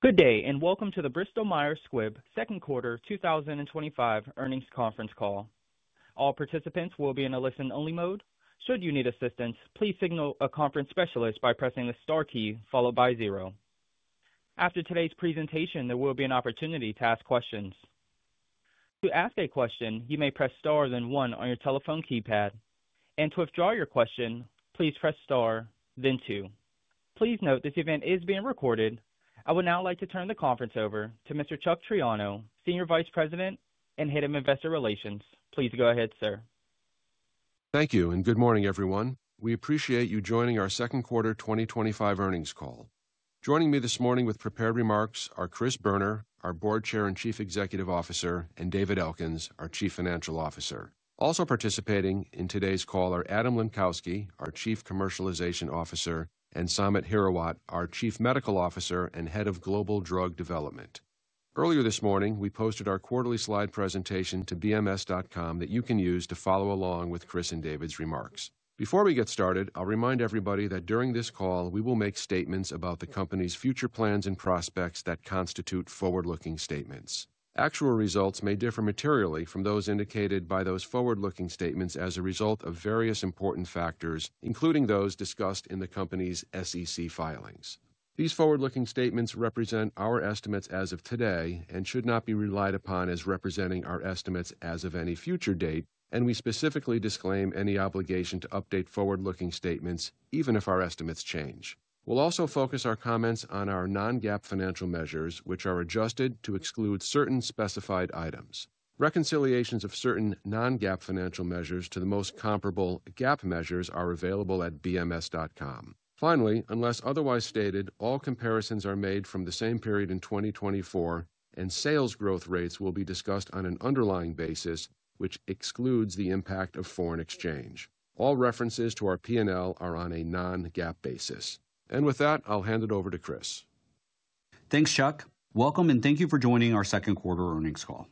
Good day, and welcome to the Bristol Myers Squibb Second Quarter 2025 Earnings Conference Call. All participants will be in a listen-only mode. Should you need assistance, please signal a conference specialist by pressing the star key followed by zero. After today's presentation, there will be an opportunity to ask questions. To ask a question, you may press star, then one, on your telephone keypad. To withdraw your question, please press star, then two. Please note this event is being recorded. I would now like to turn the conference over to Mr. Chuck Triano, Senior Vice President and Head of Investor Relations. Please go ahead, sir. Thank you, and good morning, everyone. We appreciate you joining our second quarter 2025 earnings call. Joining me this morning with prepared remarks are Chris Boerner, our Board Chair and Chief Executive Officer, and David Elkins, our Chief Financial Officer. Also participating in today's call are Adam Lenkowsky, our Chief Commercialization Officer, and Samit Hirawat, our Chief Medical Officer and Head of Global Drug Development. Earlier this morning, we posted our quarterly slide presentation to bms.com that you can use to follow along with Chris and David's remarks. Before we get started, I'll remind everybody that during this call, we will make statements about the company's future plans and prospects that constitute forward-looking statements. Actual results may differ materially from those indicated by those forward-looking statements as a result of various important factors, including those discussed in the company's SEC filings. These forward-looking statements represent our estimates as of today and should not be relied upon as representing our estimates as of any future date, and we specifically disclaim any obligation to update forward-looking statements even if our estimates change. We'll also focus our comments on our non-GAAP financial measures, which are adjusted to exclude certain specified items. Reconciliations of certain non-GAAP financial measures to the most comparable GAAP measures are available at bms.com. Finally, unless otherwise stated, all comparisons are made from the same period in 2024, and sales growth rates will be discussed on an underlying basis, which excludes the impact of foreign exchange. All references to our P&L are on a non-GAAP basis. With that, I'll hand it over to Chris. Thanks, Chuck. Welcome, and thank you for joining our second quarter earnings call.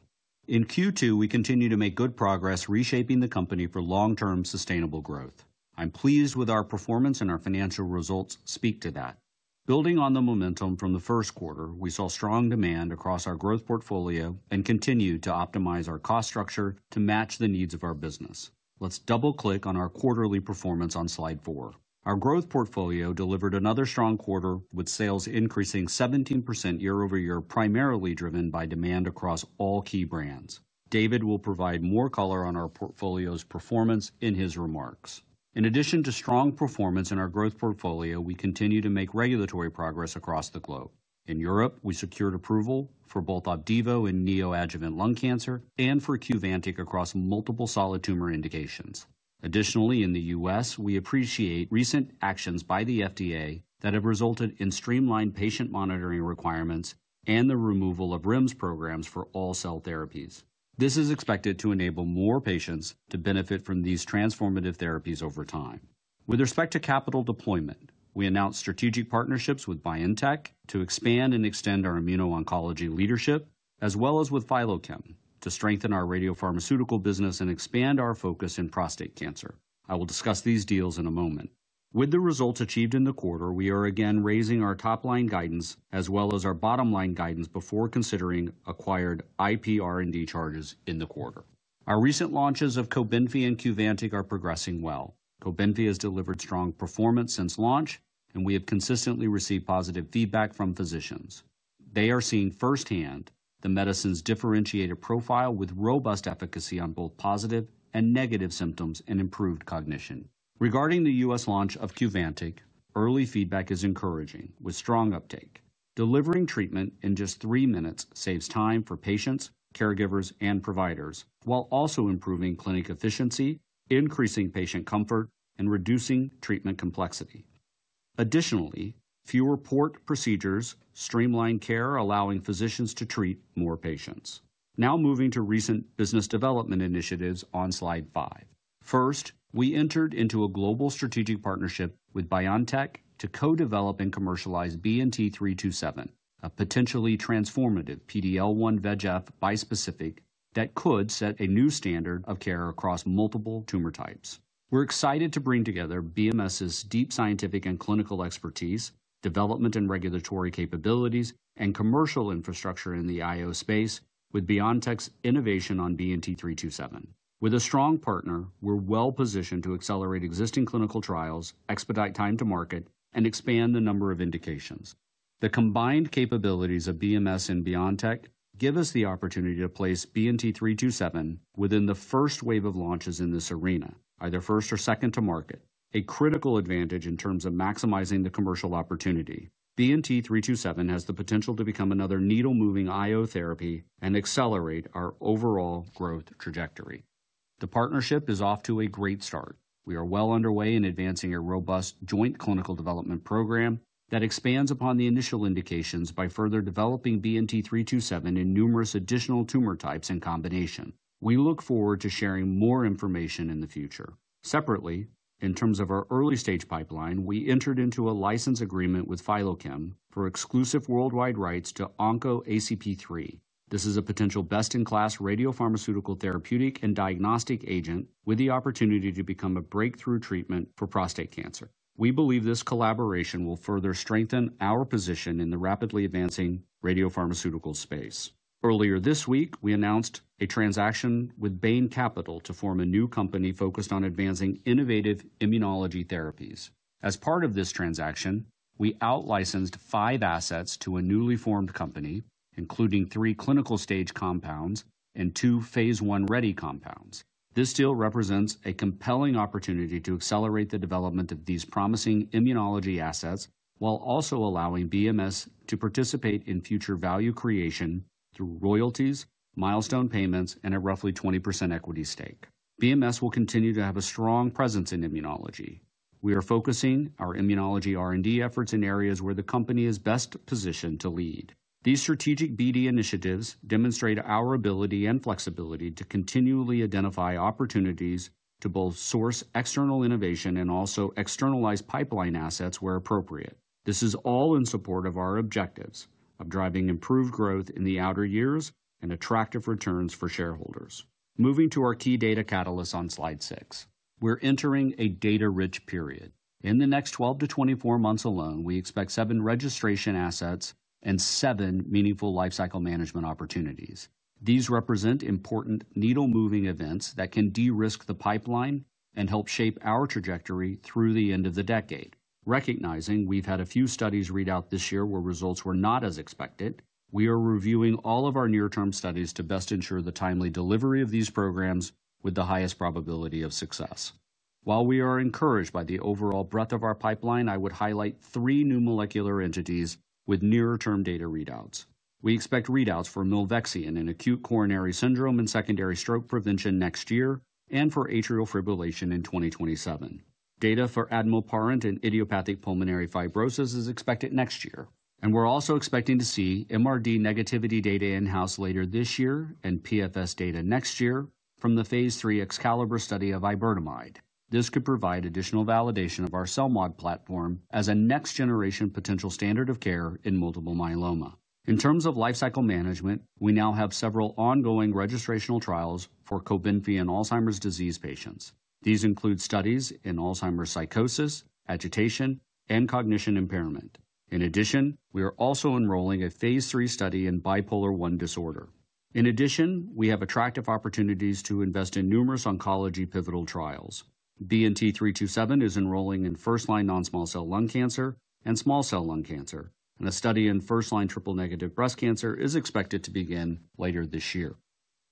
In Q2, we continue to make good progress reshaping the company for long-term sustainable growth. I'm pleased with our performance, and our financial results speak to that. Building on the momentum from the first quarter, we saw strong demand across our growth portfolio and continued to optimize our cost structure to match the needs of our business. Let's double-click on our quarterly performance on slide four. Our growth portfolio delivered another strong quarter, with sales increasing 17% year-over-year, primarily driven by demand across all key brands. David will provide more color on our portfolio's performance in his remarks. In addition to strong performance in our growth portfolio, we continue to make regulatory progress across the globe. In Europe, we secured approval for both OPDIVO in neoadjuvant lung cancer and for Qvantig across multiple solid tumor indications. Additionally, in the U.S., we appreciate recent actions by the FDA that have resulted in streamlined patient monitoring requirements and the removal of REMS programs for all cell therapies. This is expected to enable more patients to benefit from these transformative therapies over time. With respect to capital deployment, we announced strategic partnerships with BioNTech to expand and extend our immuno-oncology leadership, as well as with Philochem to strengthen our radiopharmaceutical business and expand our focus in prostate cancer. I will discuss these deals in a moment. With the results achieved in the quarter, we are again raising our top-line guidance as well as our bottom-line guidance before considering acquired IPR&D charges in the quarter. Our recent launches of COBENFY and Qvantig are progressing well. COBENFY has delivered strong performance since launch, and we have consistently received positive feedback from physicians. They are seeing firsthand the medicine's differentiated profile with robust efficacy on both positive and negative symptoms and improved cognition. Regarding the U.S. launch of Qvantig, early feedback is encouraging, with strong uptake. Delivering treatment in just three minutes saves time for patients, caregivers, and providers while also improving clinic efficiency, increasing patient comfort, and reducing treatment complexity. Additionally, fewer port procedures streamline care, allowing physicians to treat more patients. Now moving to recent business development initiatives on slide five. First, we entered into a global strategic partnership with BioNTech to co-develop and commercialize BNT327, a potentially transformative PD-L1/VEGF bispecific that could set a new standard of care across multiple tumor types. We're excited to bring together BMS's deep scientific and clinical expertise, development and regulatory capabilities, and commercial infrastructure in the I-O space with BioNTech's innovation on BNT327. With a strong partner, we're well-positioned to accelerate existing clinical trials, expedite time to market, and expand the number of indications. The combined capabilities of BMS and BioNTech give us the opportunity to place BNT327 within the first wave of launches in this arena, either first or second to market, a critical advantage in terms of maximizing the commercial opportunity. BNT327 has the potential to become another needle-moving I-O therapy and accelerate our overall growth trajectory. The partnership is off to a great start. We are well underway in advancing a robust joint clinical development program that expands upon the initial indications by further developing BNT327 in numerous additional tumor types and combination. We look forward to sharing more information in the future. Separately, in terms of our early-stage pipeline, we entered into a license agreement with Philochem for exclusive worldwide rights to OncoACP3. This is a potential best-in-class radiopharmaceutical therapeutic and diagnostic agent with the opportunity to become a breakthrough treatment for prostate cancer. We believe this collaboration will further strengthen our position in the rapidly advancing radiopharmaceutical space. Earlier this week, we announced a transaction with Bain Capital to form a new company focused on advancing innovative immunology therapies. As part of this transaction, we out-licensed five assets to a newly formed company, including three clinical-stage compounds and two phase I-ready compounds. This deal represents a compelling opportunity to accelerate the development of these promising immunology assets while also allowing BMS to participate in future value creation through royalties, milestone payments, and a roughly 20% equity stake. BMS will continue to have a strong presence in immunology. We are focusing our immunology R&D efforts in areas where the company is best positioned to lead. These strategic BD initiatives demonstrate our ability and flexibility to continually identify opportunities to both source external innovation and also externalize pipeline assets where appropriate. This is all in support of our objectives of driving improved growth in the outer years and attractive returns for shareholders. Moving to our key data catalysts on slide six, we're entering a data-rich period. In the next 12-24 months alone, we expect seven registration assets and seven meaningful lifecycle management opportunities. These represent important needle-moving events that can de-risk the pipeline and help shape our trajectory through the end of the decade. Recognizing we've had a few studies read out this year where results were not as expected, we are reviewing all of our near-term studies to best ensure the timely delivery of these programs with the highest probability of success. While we are encouraged by the overall breadth of our pipeline, I would highlight three new molecular entities with near-term data readouts. We expect readouts for milvexian in acute coronary syndrome and secondary stroke prevention next year and for atrial fibrillation in 2027. Data for admilparant and idiopathic pulmonary fibrosis is expected next year. We're also expecting to see MRD negativity data in-house later this year and PFS data next year from the phase III EXCALIBER study of iberdomide. This could provide additional validation of our CELMoD platform as a next-generation potential standard of care in multiple myeloma. In terms of lifecycle management, we now have several ongoing registrational trials for COBENFY in Alzheimer's disease patients. These include studies in Alzheimer's psychosis, agitation, and cognition impairment. In addition, we are also enrolling a phase III study in bipolar I disorder. We have attractive opportunities to invest in numerous oncology pivotal trials. BNT327 is enrolling in first-line non-small cell lung cancer and small cell lung cancer, and a study in first-line triple-negative breast cancer is expected to begin later this year.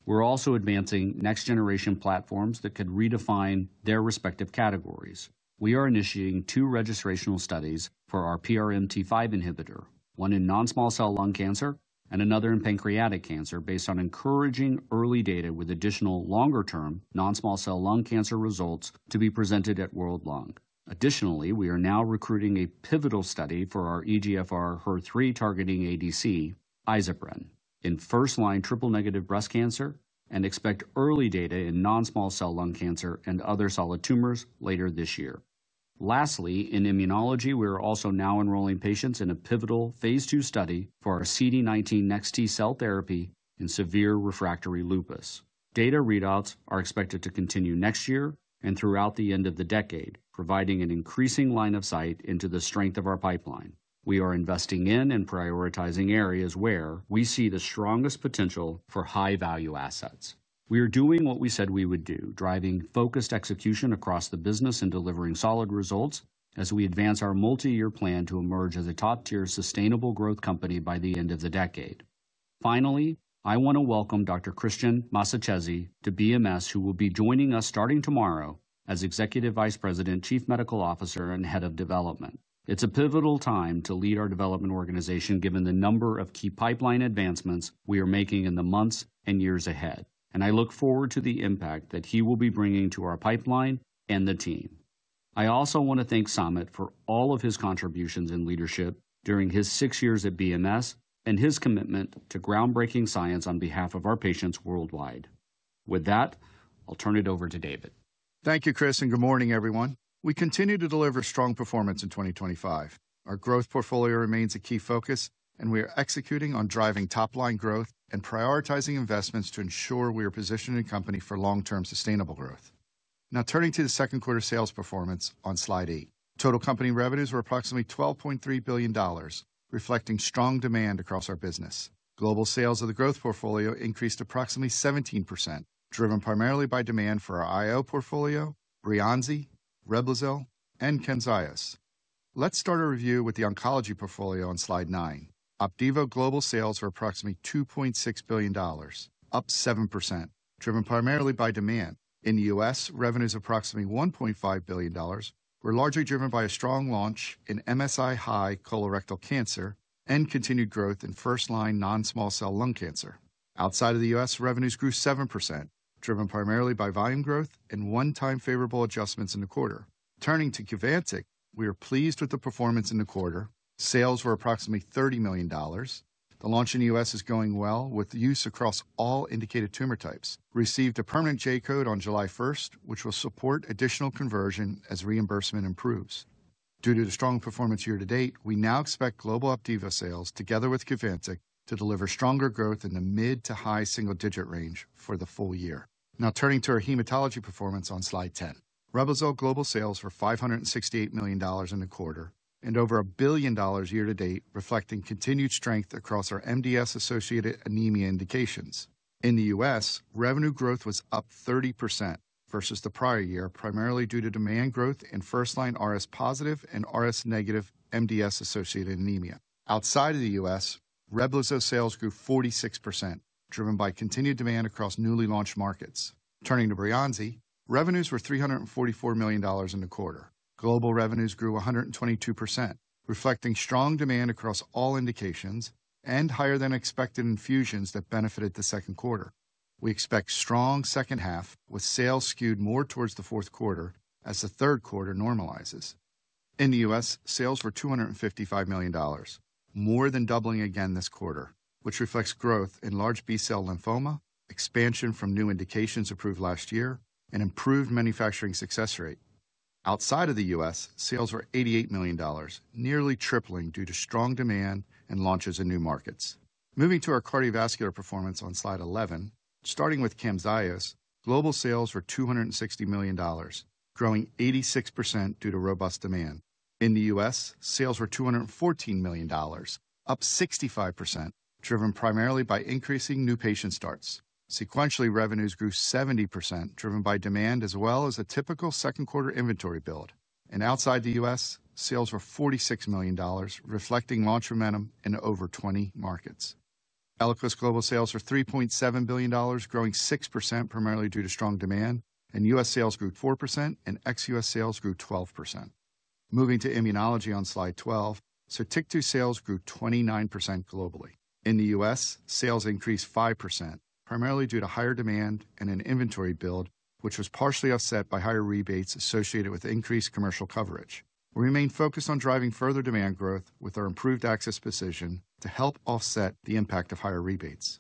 We're also advancing next-generation platforms that could redefine their respective categories. We are initiating two registrational studies for our PRMT5 inhibitor, one in non-small cell lung cancer and another in pancreatic cancer, based on encouraging early data with additional longer-term non-small cell lung cancer results to be presented at World Lung. Additionally, we are now recruiting a pivotal study for our EGFR/HER3-targeting ADC, Izepren, in first-line triple-negative breast cancer and expect early data in non-small cell lung cancer and other solid tumors later this year. Lastly, in immunology, we are also now enrolling patients in a pivotal phase II study for our CD19 Nex-T cell therapy in severe refractory lupus. Data readouts are expected to continue next year and throughout the end of the decade, providing an increasing line of sight into the strength of our pipeline. We are investing in and prioritizing areas where we see the strongest potential for high-value assets. We are doing what we said we would do, driving focused execution across the business and delivering solid results as we advance our multi-year plan to emerge as a top-tier sustainable growth company by the end of the decade. Finally, I want to welcome Dr. Cristian Massacesi to BMS, who will be joining us starting tomorrow as Executive Vice President, Chief Medical Officer, and Head of Development. It's a pivotal time to lead our development organization given the number of key pipeline advancements we are making in the months and years ahead, and I look forward to the impact that he will be bringing to our pipeline and the team. I also want to thank Samit for all of his contributions and leadership during his six years at BMS and his commitment to groundbreaking science on behalf of our patients worldwide. With that, I'll turn it over to David. Thank you, Chris, and good morning, everyone. We continue to deliver strong performance in 2025. Our growth portfolio remains a key focus, and we are executing on driving top-line growth and prioritizing investments to ensure we are positioned in company for long-term sustainable growth. Now turning to the second quarter sales performance on slide eight, total company revenues were approximately $12.3 billion, reflecting strong demand across our business. Global sales of the growth portfolio increased approximately 17%, driven primarily by demand for our I-O portfolio, Breyanzi, Reblozyl, and Camzyos. Let's start a review with the oncology portfolio on slide nine. OPDIVO global sales were approximately $2.6 billion, up 7%, driven primarily by demand. In the U.S., revenues approximately $1.5 billion were largely driven by a strong launch in MSI-high colorectal cancer and continued growth in first-line non-small cell lung cancer. Outside of the U.S., revenues grew 7%, driven primarily by volume growth and one-time favorable adjustments in the quarter. Turning to Qvantig, we are pleased with the performance in the quarter. Sales were approximately $30 million. The launch in the U.S. is going well with use across all indicated tumor types. Received a permanent J code on July 1st, which will support additional conversion as reimbursement improves. Due to the strong performance year to date, we now expect global OPDIVO sales together with Qvantig to deliver stronger growth in the mid to high single-digit range for the full year. Now turning to our hematology performance on slide 10, Reblozyl global sales were $568 million in the quarter and over $1 billion year-to-date, reflecting continued strength across our MDS-associated anemia indications. In the U.S., revenue growth was up 30% versus the prior year, primarily due to demand growth in first-line RS-positive and RS-negative MDS-associated anemia. Outside of the U.S., Reblozyl sales grew 46%, driven by continued demand across newly launched markets. Turning to Breyanzi, revenues were $344 million in the quarter. Global revenues grew 122%, reflecting strong demand across all indications and higher-than-expected infusions that benefited the second quarter. We expect a strong second half with sales skewed more towards the fourth quarter as the third quarter normalizes. In the U.S., sales were $255 million, more than doubling again this quarter, which reflects growth in large B-cell lymphoma, expansion from new indications approved last year, and improved manufacturing success rate. Outside of the U.S., sales were $88 million, nearly tripling due to strong demand and launches in new markets. Moving to our cardiovascular performance on slide 11, starting with Camzyos, global sales were $260 million, growing 86% due to robust demand. In the U.S., sales were $214 million, up 65%, driven primarily by increasing new patient starts. Sequentially, revenues grew 70%, driven by demand as well as a typical second quarter inventory build. Outside the U.S., sales were $46 million, reflecting launch momentum in over 20 markets. Eliquis global sales were $3.7 billion, growing 6% primarily due to strong demand, and U.S. sales grew 4% and ex-U.S. sales grew 12%. Moving to immunology on slide 12, Sotyktu sales grew 29% globally. In the U.S., sales increased 5%, primarily due to higher demand and an inventory build, which was partially offset by higher rebates associated with increased commercial coverage. We remain focused on driving further demand growth with our improved access position to help offset the impact of higher rebates.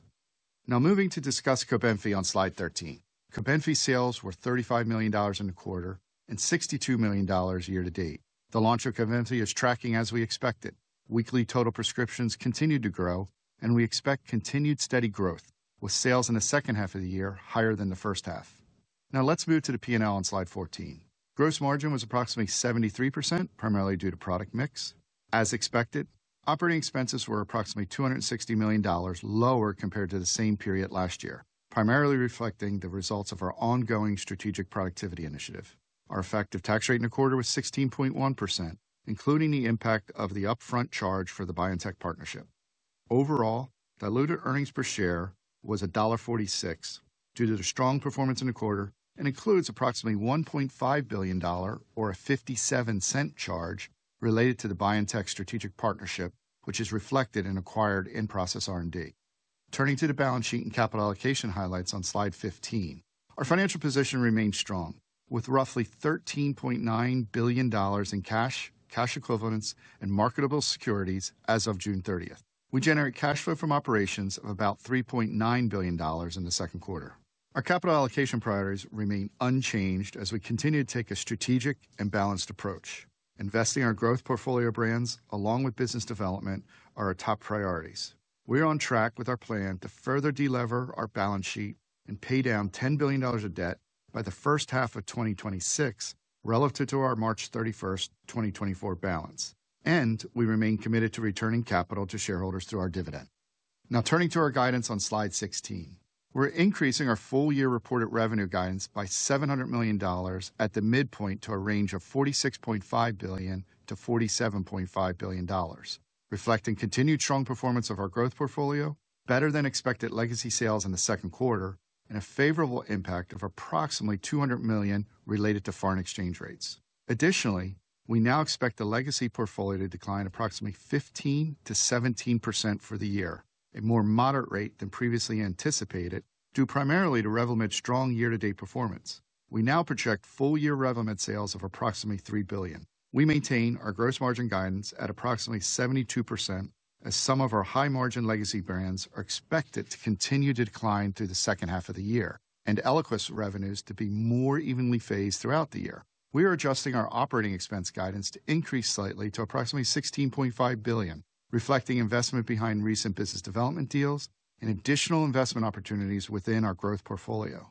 Now moving to discuss COBENFY on slide 13. COBENFY sales were $35 million in the quarter and $62 million year-to-date. The launch of COBENFY is tracking as we expected. Weekly total prescriptions continue to grow, and we expect continued steady growth with sales in the second half of the year higher than the first half. Now let's move to the P&L on slide 14. Gross margin was approximately 73%, primarily due to product mix. As expected, operating expenses were approximately $260 million lower compared to the same period last year, primarily reflecting the results of our ongoing strategic productivity initiative. Our effective tax rate in the quarter was 16.1%, including the impact of the upfront charge for the BioNTech partnership. Overall, diluted earnings per share was $1.46 due to the strong performance in the quarter and includes approximately $1.5 billion, or a $0.57 charge, related to the BioNTech strategic partnership, which is reflected in acquired in-process R&D. Turning to the balance sheet and capital allocation highlights on slide 15, our financial position remains strong with roughly $13.9 billion in cash, cash equivalents, and marketable securities as of June 30th. We generated cash flow from operations of about $3.9 billion in the second quarter. Our capital allocation priorities remain unchanged as we continue to take a strategic and balanced approach. Investing in our growth portfolio brands along with business development are our top priorities. We are on track with our plan to further delever our balance sheet and pay down $10 billion of debt by the first half of 2026 relative to our March 31, 2024 balance. We remain committed to returning capital to shareholders through our dividend. Now turning to our guidance on slide 16, we're increasing our full-year reported revenue guidance by $700 million at the midpoint to a range of $46.5 billion-$47.5 billion, reflecting continued strong performance of our growth portfolio, better-than-expected legacy sales in the second quarter, and a favorable impact of approximately $200 million related to foreign exchange rates. Additionally, we now expect the legacy portfolio to decline approximately 15%-17% for the year, a more moderate rate than previously anticipated due primarily to Revlimid's strong year-to-date performance. We now project full-year Revlimid sales of approximately $3 billion. We maintain our gross margin guidance at approximately 72% as some of our high-margin legacy brands are expected to continue to decline through the second half of the year and Eliquis revenues to be more evenly phased throughout the year. We are adjusting our operating expense guidance to increase slightly to approximately $16.5 billion, reflecting investment behind recent business development deals and additional investment opportunities within our growth portfolio.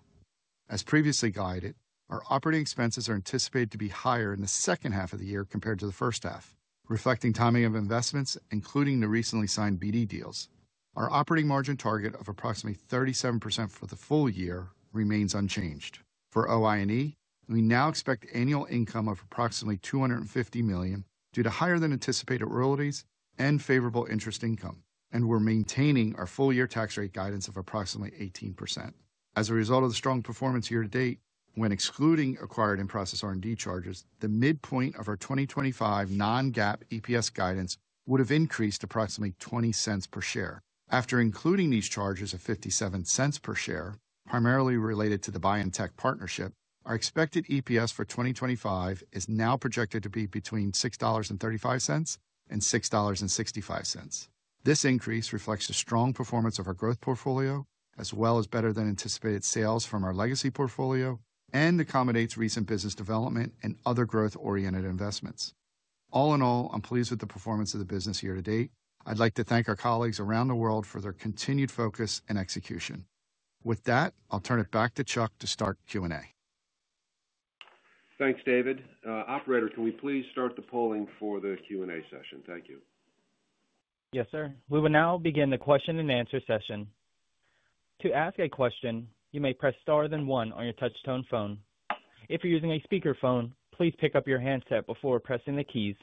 As previously guided, our operating expenses are anticipated to be higher in the second half of the year compared to the first half, reflecting timing of investments, including the recently signed business development deals. Our operating margin target of approximately 37% for the full year remains unchanged. For OI&E, we now expect annual income of approximately $250 million due to higher-than-anticipated royalties and favorable interest income, and we're maintaining our full-year tax rate guidance of approximately 18%. As a result of the strong performance year-to-date, when excluding acquired in-process R&D charges, the midpoint of our 2025 non-GAAP EPS guidance would have increased approximately $0.20 per share. After including these charges of $0.57 per share, primarily related to the BioNTech partnership, our expected EPS for 2025 is now projected to be between $6.35 and $6.65. This increase reflects the strong performance of our growth portfolio as well as better-than-anticipated sales from our legacy portfolio and accommodates recent business development and other growth-oriented investments. All in all, I'm pleased with the performance of the business year to date. I'd like to thank our colleagues around the world for their continued focus and execution. With that, I'll turn it back to Chuck to start Q&A. Thanks, David. Operator, can we please start the polling for the Q&A session? Thank you. Yes, sir. We will now begin the question-and-answer session. To ask a question, you may press star then one on your touch-tone phone. If you're using a speakerphone, please pick up your handset before pressing the keys.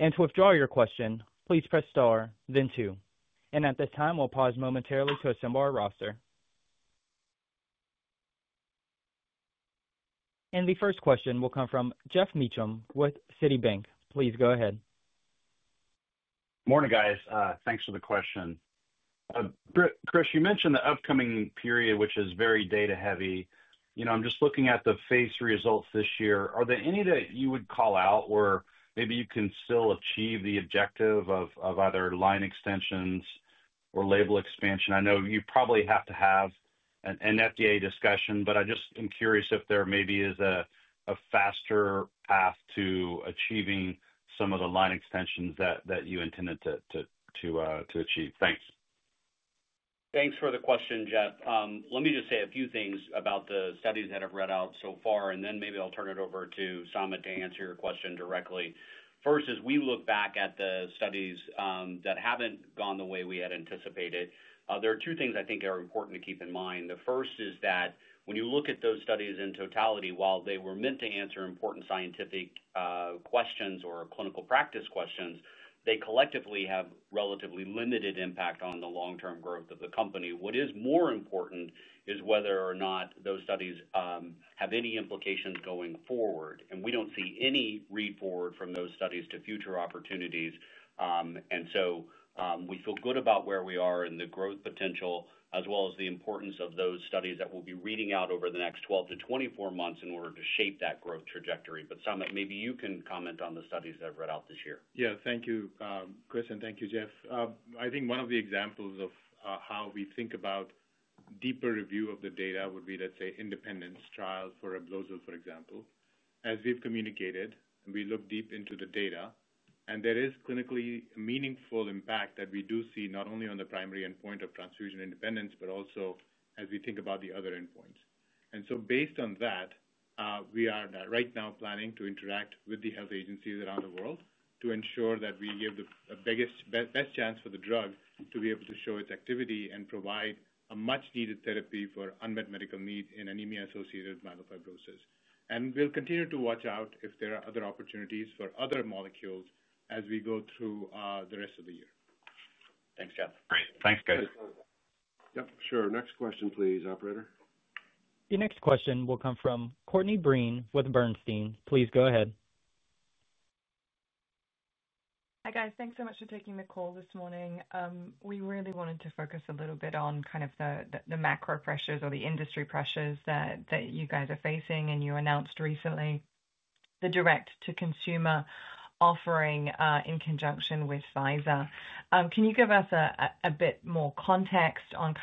To withdraw your question, please press star, then two. At this time, we'll pause momentarily to assemble our roster. The first question will come from Geoff Meacham with Citibank. Please go ahead. Morning, guys. Thanks for the question. Chris, you mentioned the upcoming period, which is very data-heavy. I'm just looking at the phase III results this year. Are there any that you would call out where maybe you can still achieve the objective of either line extensions or label expansion? I know you probably have to have an FDA discussion, but I just am curious if there maybe is a faster path to achieving some of the line extensions that you intended to achieve. Thanks. Thanks for the question, Geoff. Let me just say a few things about the studies that I've read out so far, and then maybe I'll turn it over to Samit to answer your question directly. First, as we look back at the studies that haven't gone the way we had anticipated, there are two things I think are important to keep in mind. The first is that when you look at those studies in totality, while they were meant to answer important scientific questions or clinical practice questions, they collectively have relatively limited impact on the long-term growth of the company. What is more important is whether or not those studies have any implications going forward. We don't see any read forward from those studies to future opportunities. We feel good about where we are in the growth potential as well as the importance of those studies that we'll be reading out over the next 12-24 months in order to shape that growth trajectory. Samit, maybe you can comment on the studies that I've read out this year. Yeah, thank you, Chris, and thank you, Geoff. I think one of the examples of how we think about deeper review of the data would be, let's say, independence trials for Reblozyl, for example. As we've communicated, we look deep into the data, and there is clinically meaningful impact that we do see not only on the primary endpoint of transfusion independence, but also as we think about the other endpoints. Based on that, we are right now planning to interact with the health agencies around the world to ensure that we give the best chance for the drug to be able to show its activity and provide a much-needed therapy for unmet medical needs in anemia-associated myelofibrosis. We'll continue to watch out if there are other opportunities for other molecules as we go through the rest of the year. Thanks, Jeff. Great. Thanks, guys. Yep, sure. Next question, please, Operator. The next question will come from Courtney Breen with Bernstein. Please go ahead. Hi, guys. Thanks so much for taking the call this morning. We really wanted to focus a little bit on the macro pressures or the industry pressures that you guys are facing. You announced recently the direct-to-consumer offering in conjunction with Pfizer. Can you give us a bit more context on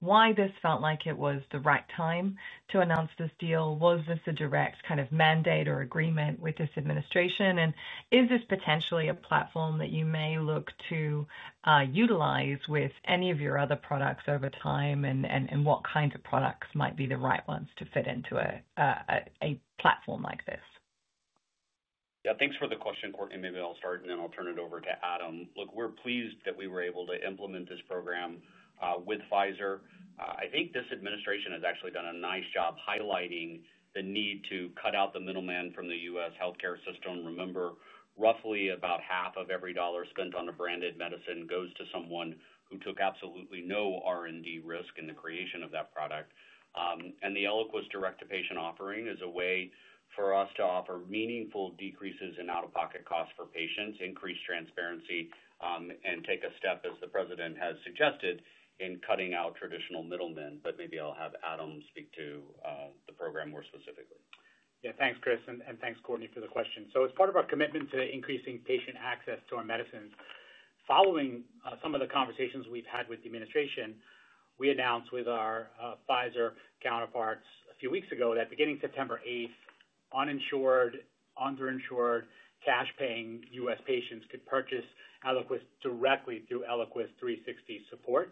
why this felt like it was the right time to announce this deal? Was this a direct mandate or agreement with this administration? Is this potentially a platform that you may look to utilize with any of your other products over time? What kinds of products might be the right ones to fit into a platform like this? Yeah, thanks for the question, Courtney. Maybe I'll start, and then I'll turn it over to Adam. Look, we're pleased that we were able to implement this program with Pfizer. I think this administration has actually done a nice job highlighting the need to cut out the middleman from the U.S. healthcare system. Remember, roughly about half of every dollar spent on a branded medicine goes to someone who took absolutely no R&D risk in the creation of that product. The Eliquis direct-to-patient offering is a way for us to offer meaningful decreases in out-of-pocket costs for patients, increase transparency, and take a step, as the president has suggested, in cutting out traditional middlemen. Maybe I'll have Adam speak to the program more specifically. Yeah, thanks, Chris. Thanks, Courtney, for the question. It's part of our commitment to increasing patient access to our medicines. Following some of the conversations we've had with the administration, we announced with our Pfizer counterparts a few weeks ago that beginning September 8, uninsured, underinsured, cash-paying U.S. patients could purchase Eliquis directly through ELIQUIS 360 Support.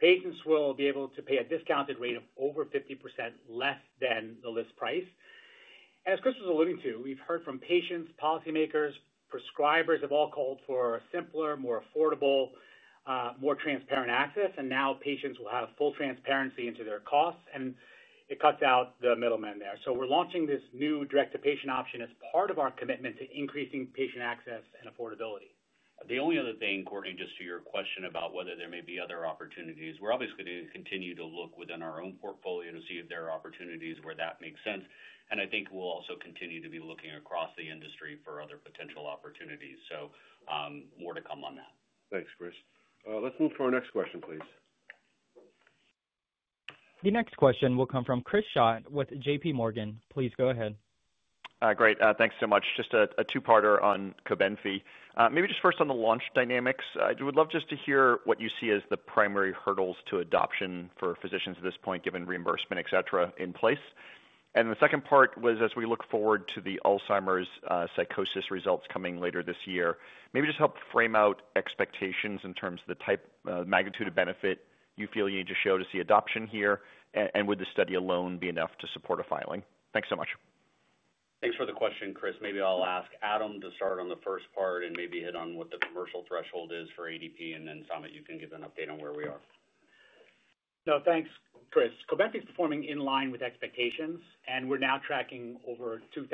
Patients will be able to pay a discounted rate of over 50% less than the list price. As Chris was alluding to, we've heard from patients, policymakers, and prescribers have all called for simpler, more affordable, more transparent access. Now patients will have full transparency into their costs, and it cuts out the middleman there. We're launching this new direct-to-patient option as part of our commitment to increasing patient access and affordability. The only other thing, Courtney, just to your question about whether there may be other opportunities, we're obviously going to continue to look within our own portfolio to see if there are opportunities where that makes sense. I think we'll also continue to be looking across the industry for other potential opportunities. More to come on that. Thanks, Chris. Let's move to our next question, please. The next question will come from Chris Schott with JPMorgan. Please go ahead. Great. Thanks so much. Just a two-parter on COBENFY. Maybe just first on the launch dynamics. I would love just to hear what you see as the primary hurdles to adoption for physicians at this point, given reimbursement, etc., in place. The second part was, as we look forward to the Alzheimer's psychosis results coming later this year, maybe just help frame out expectations in terms of the magnitude of benefit you feel you need to show to see adoption here. Would the study alone be enough to support a filing? Thanks so much. Thanks for the question, Chris. Maybe I'll ask Adam Lenkowsky to start on the first part and maybe hit on what the commercial threshold is for ADP. Samit, you can give an update on where we are. No, thanks, Chris. COBENFY is performing in line with expectations, and we're now tracking over 2,000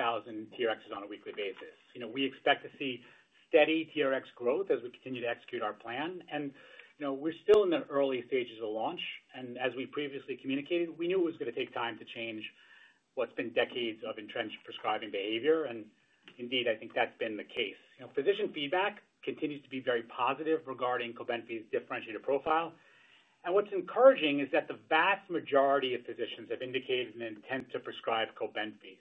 TRx on a weekly basis. We expect to see steady TRx growth as we continue to execute our plan. We're still in the early stages of launch. As we previously communicated, we knew it was going to take time to change what's been decades of entrenched prescribing behavior. I think that's been the case. Physician feedback continues to be very positive regarding COBENFY's differentiated profile. What's encouraging is that the vast majority of physicians have indicated an intent to prescribe COBENFY.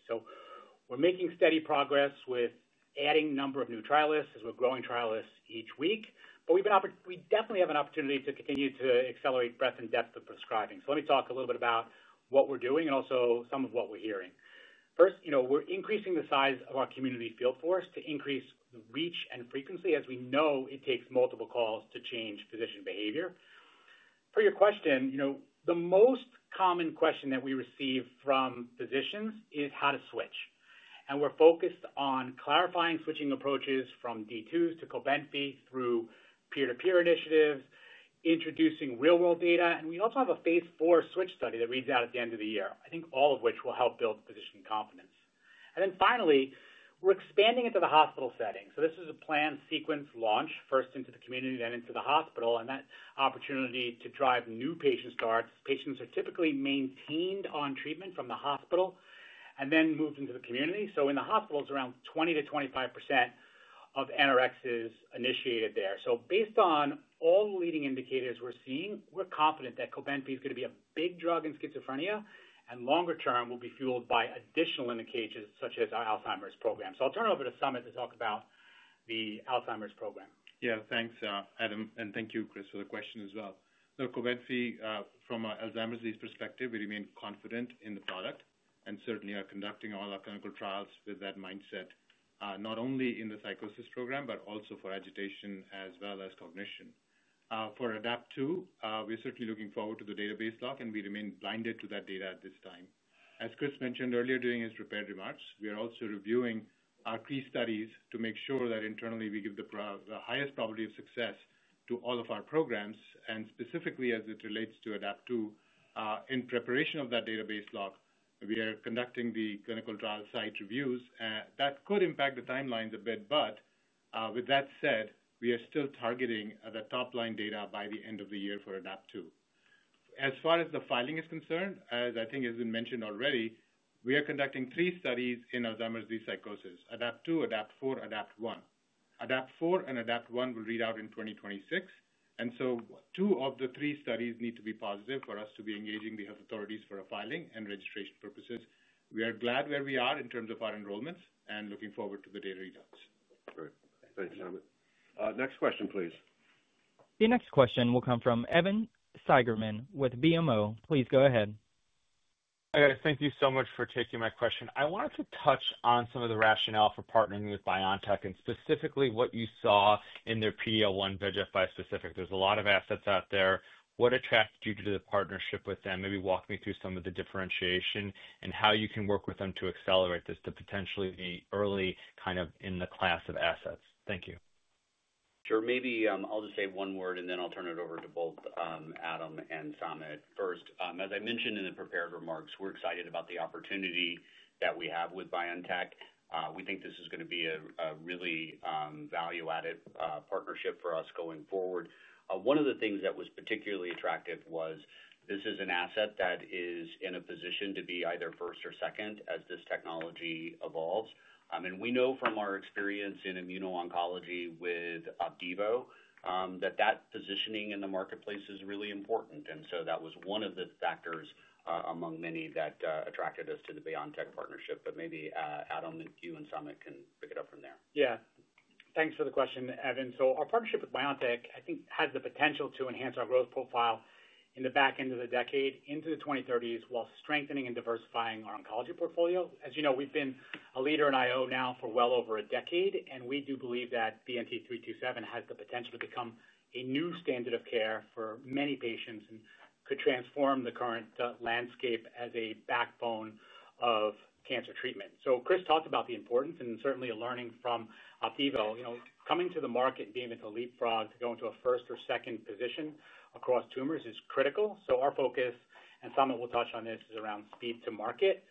We're making steady progress with adding a number of new trialists as we're growing trialists each week. We definitely have an opportunity to continue to accelerate breadth and depth of prescribing. Let me talk a little bit about what we're doing and also some of what we're hearing. First, we're increasing the size of our community field force to increase reach and frequency, as we know it takes multiple calls to change physician behavior. For your question, the most common question that we receive from physicians is how to switch. We're focused on clarifying switching approaches from D2s to COBENFY through peer-to-peer initiatives, introducing real-world data. We also have a phase IV switch study that reads out at the end of the year, all of which will help build physician confidence. Finally, we're expanding into the hospital setting. This is a planned sequence launch, first into the community, then into the hospital, and that opportunity to drive new patient starts. Patients are typically maintained on treatment from the hospital and then moved into the community. In the hospitals, around 20%-25% of anorexia is initiated there. Based on all the leading indicators we're seeing, we're confident that COBENFY is going to be a big drug in schizophrenia, and longer term will be fueled by additional indicators such as our Alzheimer's program. I'll turn it over to Samit to talk about the Alzheimer's program. Yeah, thanks, Adam. Thank you, Chris, for the question as well. COBENFY, from our Alzheimer's perspective, we remain confident in the product and certainly are conducting all our clinical trials with that mindset, not only in the psychosis program, but also for agitation as well as cognition. For ADEPT-2, we're certainly looking forward to the database lock, and we remain blinded to that data at this time. As Chris mentioned earlier during his prepared remarks, we are also reviewing our pre-studies to make sure that internally we give the highest probability of success to all of our programs. Specifically, as it relates to ADEPT-2, in preparation of that database lock, we are conducting the clinical trial site reviews. That could impact the timelines a bit, but with that said, we are still targeting the top-line data by the end of the year for ADEPT-2. As far as the filing is concerned, as I think has been mentioned already, we are conducting three studies in Alzheimer's psychosis: ADEPT-2, ADEPT-4, ADEPT-1. ADEPT-4 and ADEPT-1 will read out in 2026. Two of the three studies need to be positive for us to be engaging the health authorities for a filing and registration purposes. We are glad where we are in terms of our enrollments and looking forward to the data results. Great. Thanks, Samit. Next question, please. The next question will come from Evan Seigerman with BMO. Please go ahead. Thank you so much for taking my question. I wanted to touch on some of the rationale for partnering with BioNTech and specifically what you saw in their PD-L1/VEGF bispecific. There's a lot of assets out there. What attracted you to the partnership with them? Maybe walk me through some of the differentiation and how you can work with them to accelerate this to potentially be early kind of in the class of assets. Thank you. Sure. Maybe I'll just say one word, and then I'll turn it over to both Adam and Samit first. As I mentioned in the prepared remarks, we're excited about the opportunity that we have with BioNTech. We think this is going to be a really value-added partnership for us going forward. One of the things that was particularly attractive was this is an asset that is in a position to be either first or second as this technology evolves. We know from our experience in immuno-oncology with OPDIVO that positioning in the marketplace is really important. That was one of the factors among many that attracted us to the BioNTech partnership. Maybe Adam, you, and Samit can pick it up from there. Yeah. Thanks for the question, Evan. Our partnership with BioNTech, I think, has the potential to enhance our growth profile in the back end of the decade into the 2030s while strengthening and diversifying our oncology portfolio. As you know, we've been a leader in I-O now for well over a decade, and we do believe that BNT327 has the potential to become a new standard of care for many patients and could transform the current landscape as a backbone of cancer treatment. Chris talked about the importance and certainly learning from OPDIVO. Coming to the market and being able to leapfrog to go into a first or second position across tumors is critical. Our focus, and Samit will touch on this, is around speed to market.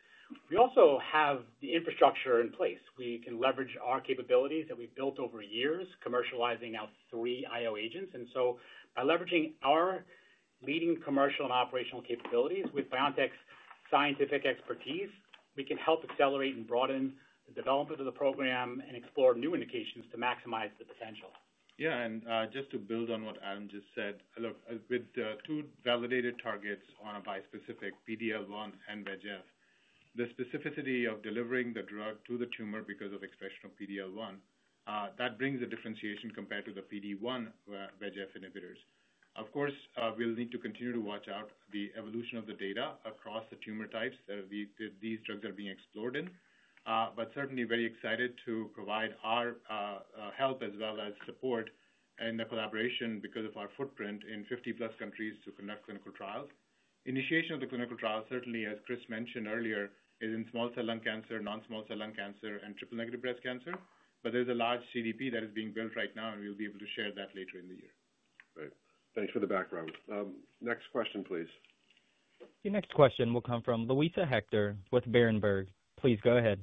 We also have the infrastructure in place. We can leverage our capabilities that we've built over years, commercializing our three I-O agents. By leveraging our leading commercial and operational capabilities with BioNTech's scientific expertise, we can help accelerate and broaden the development of the program and explore new indications to maximize the potential. Yeah. Just to build on what Adam just said, look, with two validated targets on a bispecific, PD-L1 and VEGF, the specificity of delivering the drug to the tumor because of expression of PD-L1, that brings a differentiation compared to the PD-1/VEGF inhibitors. Of course, we will need to continue to watch out the evolution of the data across the tumor types that these drugs are being explored in. Certainly very excited to provide our help as well as support in the collaboration because of our footprint in 50+ countries to conduct clinical trials. Initiation of the clinical trials, certainly, as Chris mentioned earlier, is in small cell lung cancer, non-small cell lung cancer, and triple-negative breast cancer. There is a large CDP that is being built right now, and we will be able to share that later in the year. Great. Thanks for the background. Next question, please. The next question will come from Luisa Hector with Berenberg. Please go ahead.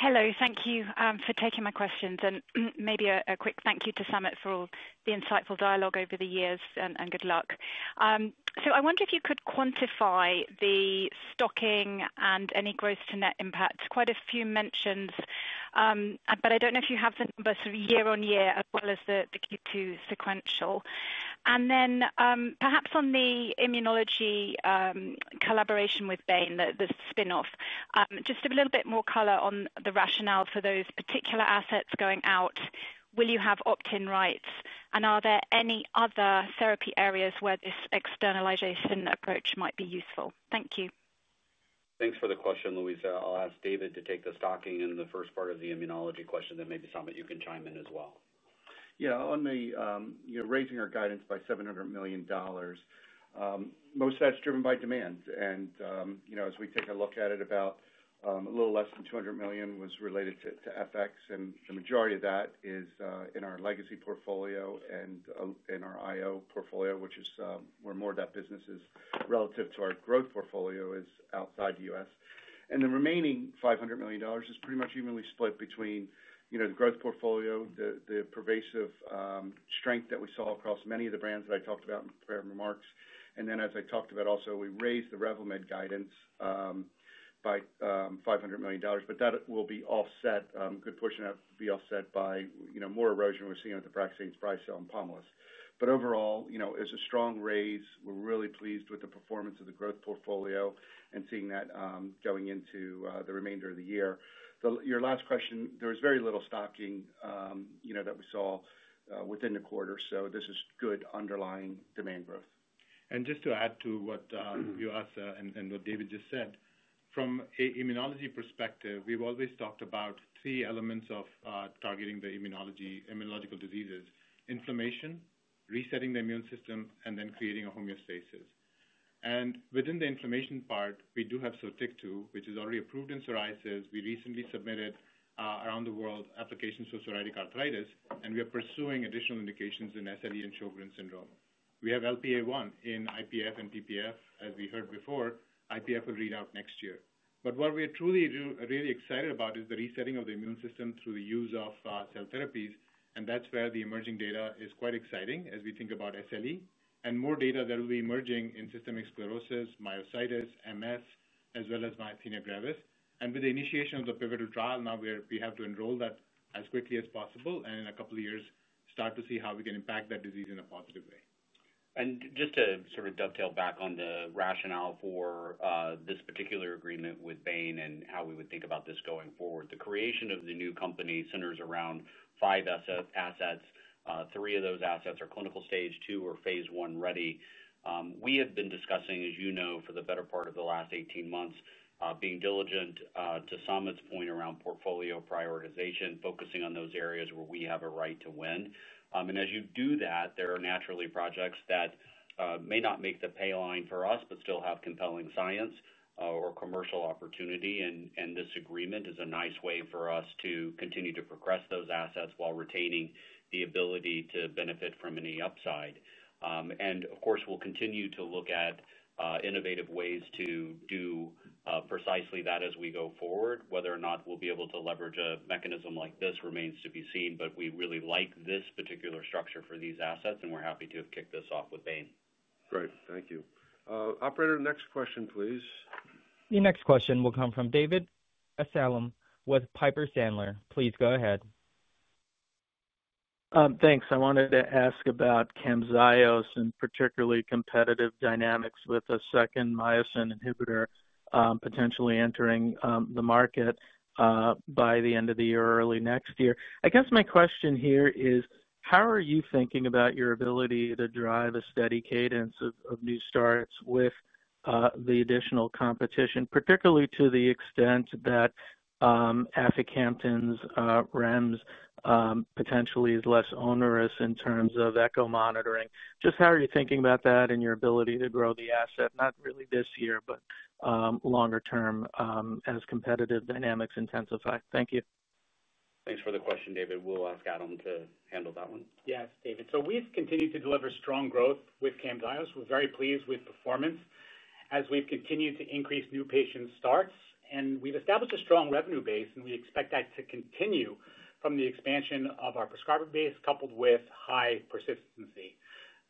Hello. Thank you for taking my questions. Maybe a quick thank you to Samit for all the insightful dialogue over the years, and good luck. I wonder if you could quantify the stocking and any gross to net impact. Quite a few mentions, but I don't know if you have the numbers sort of year-on-year as well as the Q2 sequential. Perhaps on the immunology collaboration with Bain, the spin-off, just a little bit more color on the rationale for those particular assets going out. Will you have opt-in rights? Are there any other therapy areas where this externalization approach might be useful? Thank you. Thanks for the question, Luisa. I'll ask David to take the stocking and the first part of the immunology question. Maybe Samit, you can chime in as well. Yeah. On the raising our guidance by $700 million, most of that's driven by demand. As we take a look at it, about a little less than $200 million was related to FX, and the majority of that is in our legacy portfolio and in our I-O portfolio, which is where more of that business is relative to our growth portfolio is outside the U.S. The remaining $500 million is pretty much evenly split between the growth portfolio, the pervasive strength that we saw across many of the brands that I talked about in prepared remarks. As I talked about also, we raised the Revlimid guidance by $500 million. That will be offset, good pushing, that will be offset by more erosion we're seeing with Abraxane, Sprycel, and Pomalyst. Overall, it's a strong raise. We're really pleased with the performance of the growth portfolio and seeing that going into the remainder of the year. Your last question, there was very little stocking that we saw within the quarter. This is good underlying demand growth. To add to what you asked and what David just said, from an immunology perspective, we've always talked about three elements of targeting the immunological diseases: inflammation, resetting the immune system, and then creating a homeostasis. Within the inflammation part, we do have Sotyktu, which is already approved in psoriasis. We recently submitted around the world applications for psoriatic arthritis, and we are pursuing additional indications in SLE and Sjögren's syndrome. We have LPA1 in IPF and PPF, as we heard before. IPF will read out next year. What we are truly really excited about is the resetting of the immune system through the use of cell therapies. That is where the emerging data is quite exciting as we think about SLE and more data that will be emerging in systemic sclerosis, myositis, MS, as well as myasthenia gravis. With the initiation of the pivotal trial, now we have to enroll that as quickly as possible and in a couple of years start to see how we can impact that disease in a positive way. To sort of dovetail back on the rationale for this particular agreement with Bain and how we would think about this going forward, the creation of the new company centers around five assets. Three of those assets are clinical stage, two are phase I ready. We have been discussing, as you know, for the better part of the last 18 months, being diligent to Samit's point around portfolio prioritization, focusing on those areas where we have a right to win. As you do that, there are naturally projects that may not make the pay line for us but still have compelling science or commercial opportunity. This agreement is a nice way for us to continue to progress those assets while retaining the ability to benefit from any upside. Of course, we'll continue to look at innovative ways to do precisely that as we go forward. Whether or not we'll be able to leverage a mechanism like this remains to be seen. We really like this particular structure for these assets, and we're happy to have kicked this off with Bain. Great. Thank you. Operator, next question, please. The next question will come from David Amsellem with Piper Sandler. Please go ahead. Thanks. I wanted to ask about Camzyos and particularly competitive dynamics with a second myosin inhibitor potentially entering the market by the end of the year or early next year. I guess my question here is, how are you thinking about your ability to drive a steady cadence of new starts with the additional competition, particularly to the extent that aficamten's REMS potentially is less onerous in terms of echo monitoring? Just how are you thinking about that and your ability to grow the asset, not really this year, but longer term as competitive dynamics intensify? Thank you. Thanks for the question, David. We'll ask Adam to handle that one. Yes, David. We've continued to deliver strong growth with Camzyos. We're very pleased with performance as we've continued to increase new patient starts. We've established a strong revenue base, and we expect that to continue from the expansion of our prescriber base coupled with high persistency.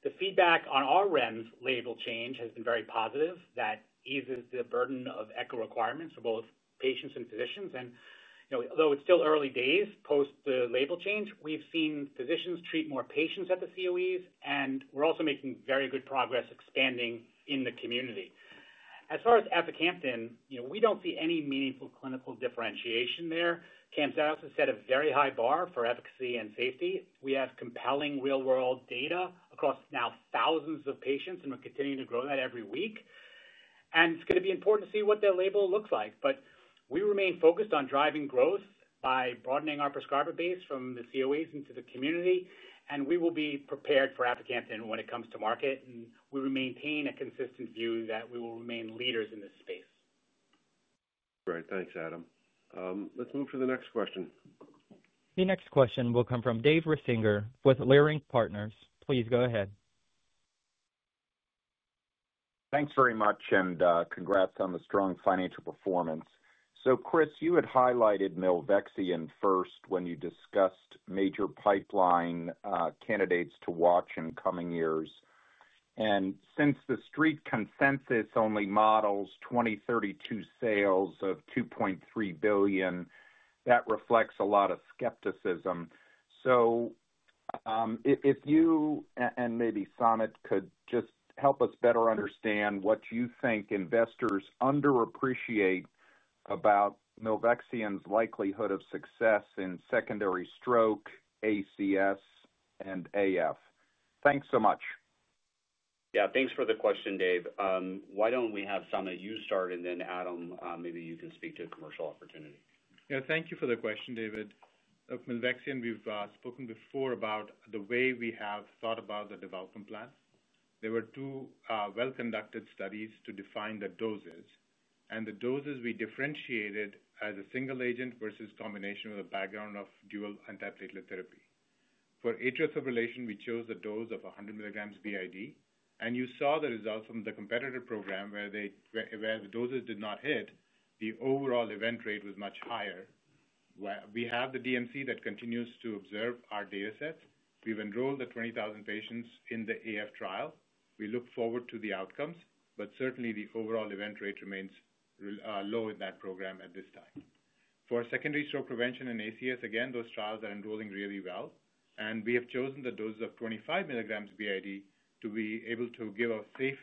The feedback on our REMS label change has been very positive. That eases the burden of echo requirements for both patients and physicians. Though it's still early days post the label change, we've seen physicians treat more patients at the COEs, and we're also making very good progress expanding in the community. As far as aficamten, we don't see any meaningful clinical differentiation there. Camzyos has set a very high bar for efficacy and safety. We have compelling real-world data across now thousands of patients, and we're continuing to grow that every week. It's going to be important to see what their label looks like. We remain focused on driving growth by broadening our prescriber base from the COEs into the community. We will be prepared for aficamten when it comes to market. We will maintain a consistent view that we will remain leaders in this space. Great. Thanks, Adam. Let's move to the next question. The next question will come from Dave Risinger with Leerink Partners. Please go ahead. Thanks very much and congrats on the strong financial performance. Chris, you had highlighted milvexian first when you discussed major pipeline candidates to watch in coming years. Since the street consensus only models 2032 sales of $2.3 billion, that reflects a lot of skepticism. If you and maybe Samit could just help us better understand what you think investors underappreciate about milvexian's likelihood of success in secondary stroke, acute coronary syndrome, and atrial fibrillation. Thanks so much. Yeah. Thanks for the question, Dave. Why don't we have Samit, you start, and then Adam, maybe you can speak to commercial opportunity. Thank you for the question, David. On milvexian, we've spoken before about the way we have thought about the development plan. There were two well-conducted studies to define the doses, and the doses we differentiated as a single agent versus combination with a background of dual antiplatelet therapy. For atrial fibrillation, we chose the dose of 100 mg b.i.d., and you saw the results from the competitor program where the doses did not hit. The overall event rate was much higher. We have the DMC that continues to observe our data sets. We've enrolled 20,000 patients in the AF trial. We look forward to the outcomes, but certainly the overall event rate remains low in that program at this time. For secondary stroke prevention and acute coronary syndrome, those trials are enrolling really well. We have chosen the dose of 25 mg b.i.d. to be able to give a safe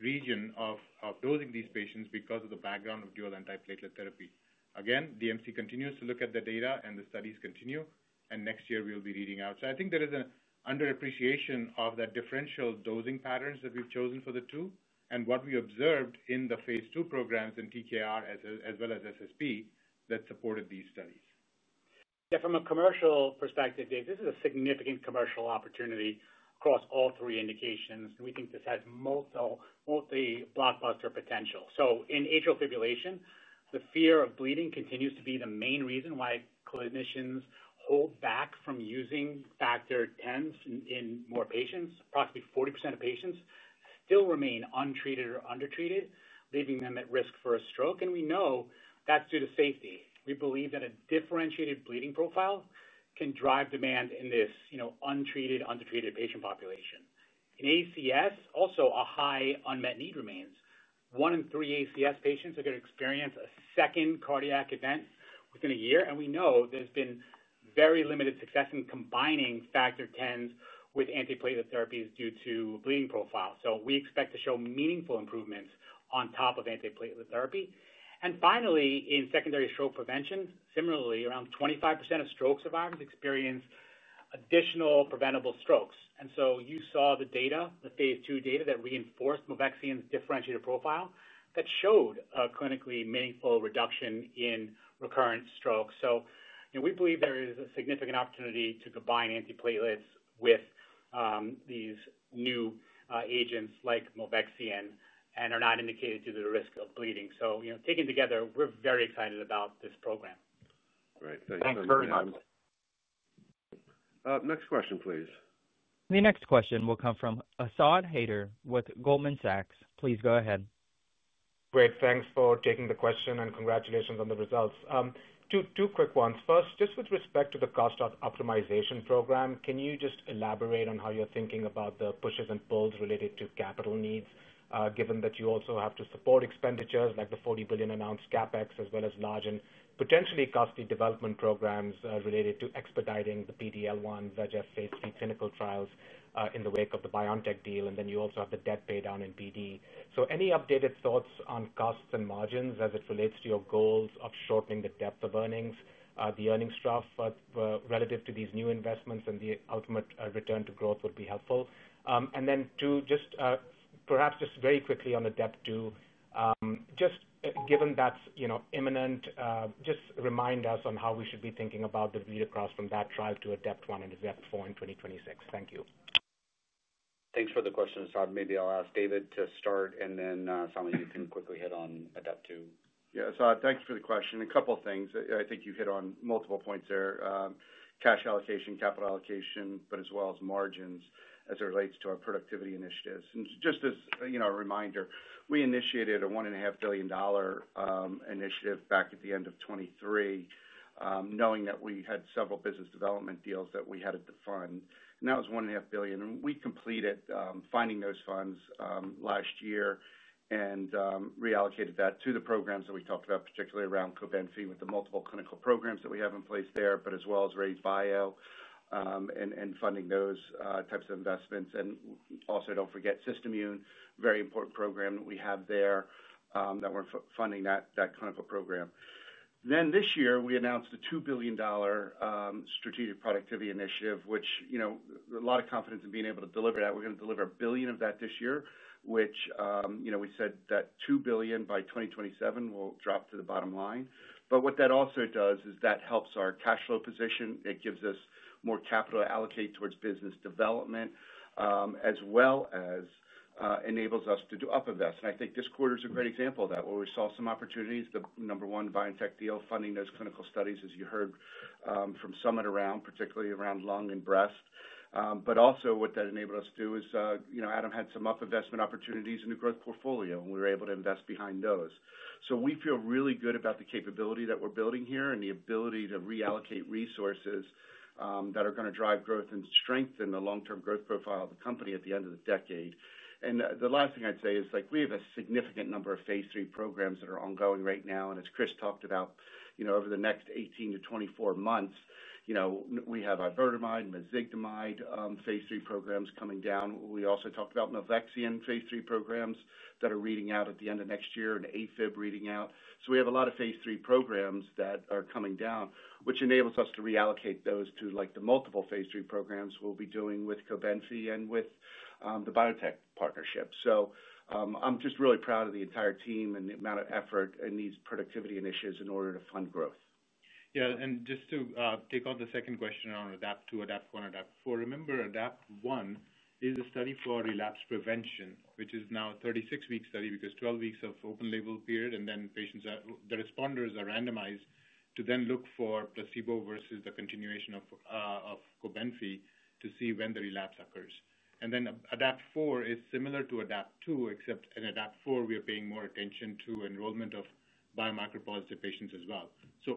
region of dosing these patients because of the background of dual antiplatelet therapy. The DMC continues to look at the data, and the studies continue. Next year, we'll be reading out. I think there is an underappreciation of that differential dosing pattern that we've chosen for the two and what we observed in the phase II programs in TKR as well as SSP that supported these studies. Yeah. From a commercial perspective, Dave, this is a significant commercial opportunity across all three indications. We think this has multi-blockbuster potential. In atrial fibrillation, the fear of bleeding continues to be the main reason why clinicians hold back from using factor Xs in more patients. Approximately 40% of patients still remain untreated or undertreated, leaving them at risk for a stroke. We know that's due to safety. We believe that a differentiated bleeding profile can drive demand in this untreated, undertreated patient population. In ACS, also a high unmet need remains. One in three ACS patients are going to experience a second cardiac event within a year. We know there's been very limited success in combining factor X with antiplatelet therapies due to bleeding profile. We expect to show meaningful improvements on top of antiplatelet therapy. Finally, in secondary stroke prevention, similarly, around 25% of stroke survivors experience additional preventable strokes. You saw the data, the phase II data that reinforced milvexian's differentiated profile that showed a clinically meaningful reduction in recurrent strokes. We believe there is a significant opportunity to combine antiplatelets with these new agents like milvexian and are not indicated to the risk of bleeding. Taken together, we're very excited about this program. Great. Thanks for your time. Thanks, Kerry. Next question, please. The next question will come from Asad Haider with Goldman Sachs. Please go ahead. Great. Thanks for taking the question and congratulations on the results. Two quick ones. First, just with respect to the cost optimization program, can you elaborate on how you're thinking about the pushes and pulls related to capital needs, given that you also have to support expenditures like the $40 billion announced CapEx as well as large and potentially costly development programs related to expediting the PD-L1/VEGF phase III clinical trials in the wake of the BioNTech deal? You also have the debt paydown in place. Any updated thoughts on costs and margins as it relates to your goals of shortening the depth of earnings, the earnings trough relative to these new investments, and the ultimate return to growth would be helpful. Two, just very quickly on ADEPT-2, given that's imminent, just remind us on how we should be thinking about the read across from that trial to ADEPT-1 and ADEPT-4 in 2026. Thank you. Thanks for the question, Asad. Maybe I'll ask David to start, and then Samit, you can quickly hit on ADEPT-2. Yeah. Asad, thanks for the question. A couple of things. I think you hit on multiple points there: cash allocation, capital allocation, as well as margins as it relates to our productivity initiatives. Just as a reminder, we initiated a $1.5 billion initiative back at the end of 2023, knowing that we had several business development deals that we had to fund. That was $1.5 billion, and we completed finding those funds last year and reallocated that to the programs that we talked about, particularly around COBENFY with the multiple clinical programs that we have in place there, as well as Raid-Bio, and funding those types of investments. Also, don't forget SystImmune, a very important program that we have there that we're funding that clinical program. This year, we announced a $2 billion strategic productivity initiative, which we have a lot of confidence in being able to deliver. We're going to deliver $1 billion of that this year, and we said that $2 billion by 2027 will drop to the bottom line. What that also does is help our cash flow position. It gives us more capital to allocate towards business development, as well as enables us to do up invest. I think this quarter is a great example of that, where we saw some opportunities. The number one BioNTech deal, funding those clinical studies, as you heard from Samit around, particularly around lung and breast. What that enabled us to do is Adam had some up investment opportunities in the growth portfolio, and we were able to invest behind those. We feel really good about the capability that we're building here and the ability to reallocate resources that are going to drive growth and strengthen the long-term growth profile of the company at the end of the decade. The last thing I'd say is we have a significant number of phase III programs that are ongoing right now. As Chris talked about, over the next 18-24 months, we have iberdomide, mezigdomide phase III programs coming down. We also talked about milvexian phase III programs that are reading out at the end of next year and AFib reading out. We have a lot of phase III programs that are coming down, which enables us to reallocate those to the multiple phase III programs we'll be doing with COBENFY and with the BioNTech partnership. I'm just really proud of the entire team and the amount of effort and these productivity initiatives in order to fund growth. Yeah. To take on the second question on ADEPT-2, ADEPT-1, ADEPT-4, remember ADEPT-1 is a study for relapse prevention, which is now a 36-week study because 12 weeks of open-label period, and then the responders are randomized to then look for placebo versus the continuation of COBENFY to see when the relapse occurs. ADEPT-4 is similar to ADEPT-2, except in ADEPT-4, we are paying more attention to enrollment of biomarker-positive patients as well.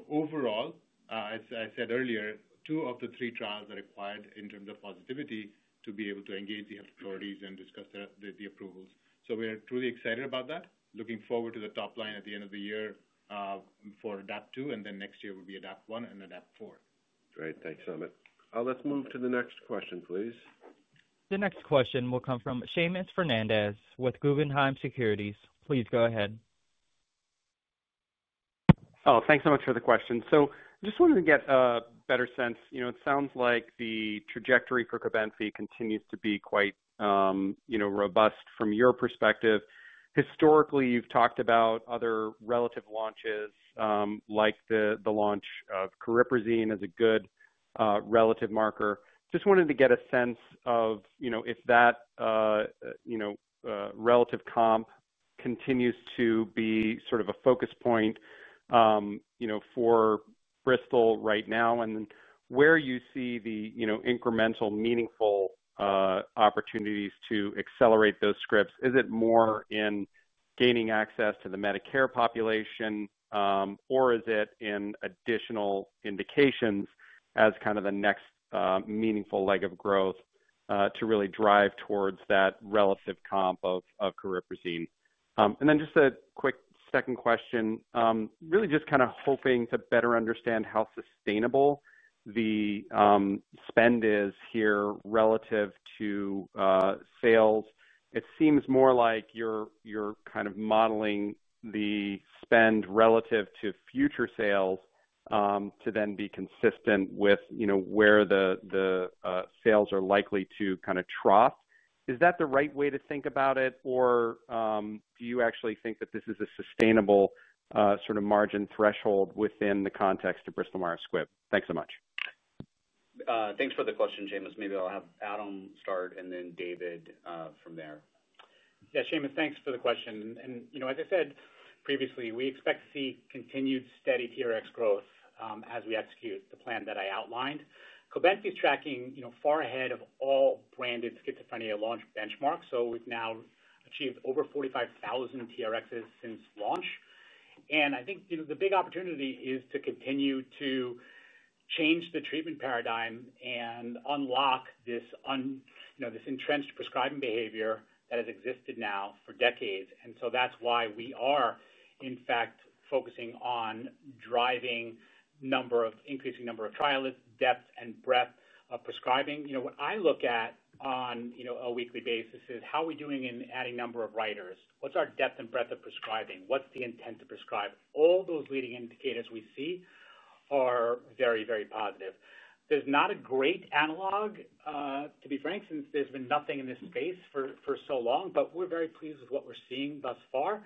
Overall, as I said earlier, two of the three trials are required in terms of positivity to be able to engage the health authorities and discuss the approvals. We are truly excited about that and looking forward to the top line at the end of the year for ADEPT-2, and then next year will be ADEPT-1 and ADEPT-4. Great. Thanks, Samit. Let's move to the next question, please. The next question will come from Shamus Fernandez with Guggenheim Securities. Please go ahead. Thanks so much for the question. I just wanted to get a better sense. It sounds like the trajectory for COBENFY continues to be quite robust from your perspective. Historically, you've talked about other relative launches like the launch of cariprazine as a good relative marker. Just wanted to get a sense of if that relative comp continues to be sort of a focus point for Bristol right now and where you see the incremental meaningful opportunities to accelerate those scripts. Is it more in gaining access to the Medicare population, or is it in additional indications as kind of the next meaningful leg of growth to really drive towards that relative comp of cariprazine? A quick second question, really just kind of hoping to better understand how sustainable the spend is here relative to sales. It seems more like you're kind of modeling the spend relative to future sales to then be consistent with where the sales are likely to kind of trough. Is that the right way to think about it, or do you actually think that this is a sustainable sort of margin threshold within the context of Bristol Myers Squibb? Thanks so much. Thanks for the question, Shamus. Maybe I'll have Adam start and then David from there. Yeah. Shamus, thanks for the question. As I said previously, we expect to see continued steady TRx growth as we execute the plan that I outlined. COBENFY's tracking far ahead of all branded schizophrenia launch benchmarks. We have now achieved over 45,000 TRx since launch. I think the big opportunity is to continue to change the treatment paradigm and unlock this entrenched prescribing behavior that has existed now for decades. That is why we are, in fact, focusing on driving increasing number of trials, depth, and breadth of prescribing. What I look at on a weekly basis is how are we doing in adding number of writers, what's our depth and breadth of prescribing, what's the intent to prescribe. All those leading indicators we see are very, very positive. There is not a great analog, to be frank, since there has been nothing in this space for so long, but we are very pleased with what we are seeing thus far.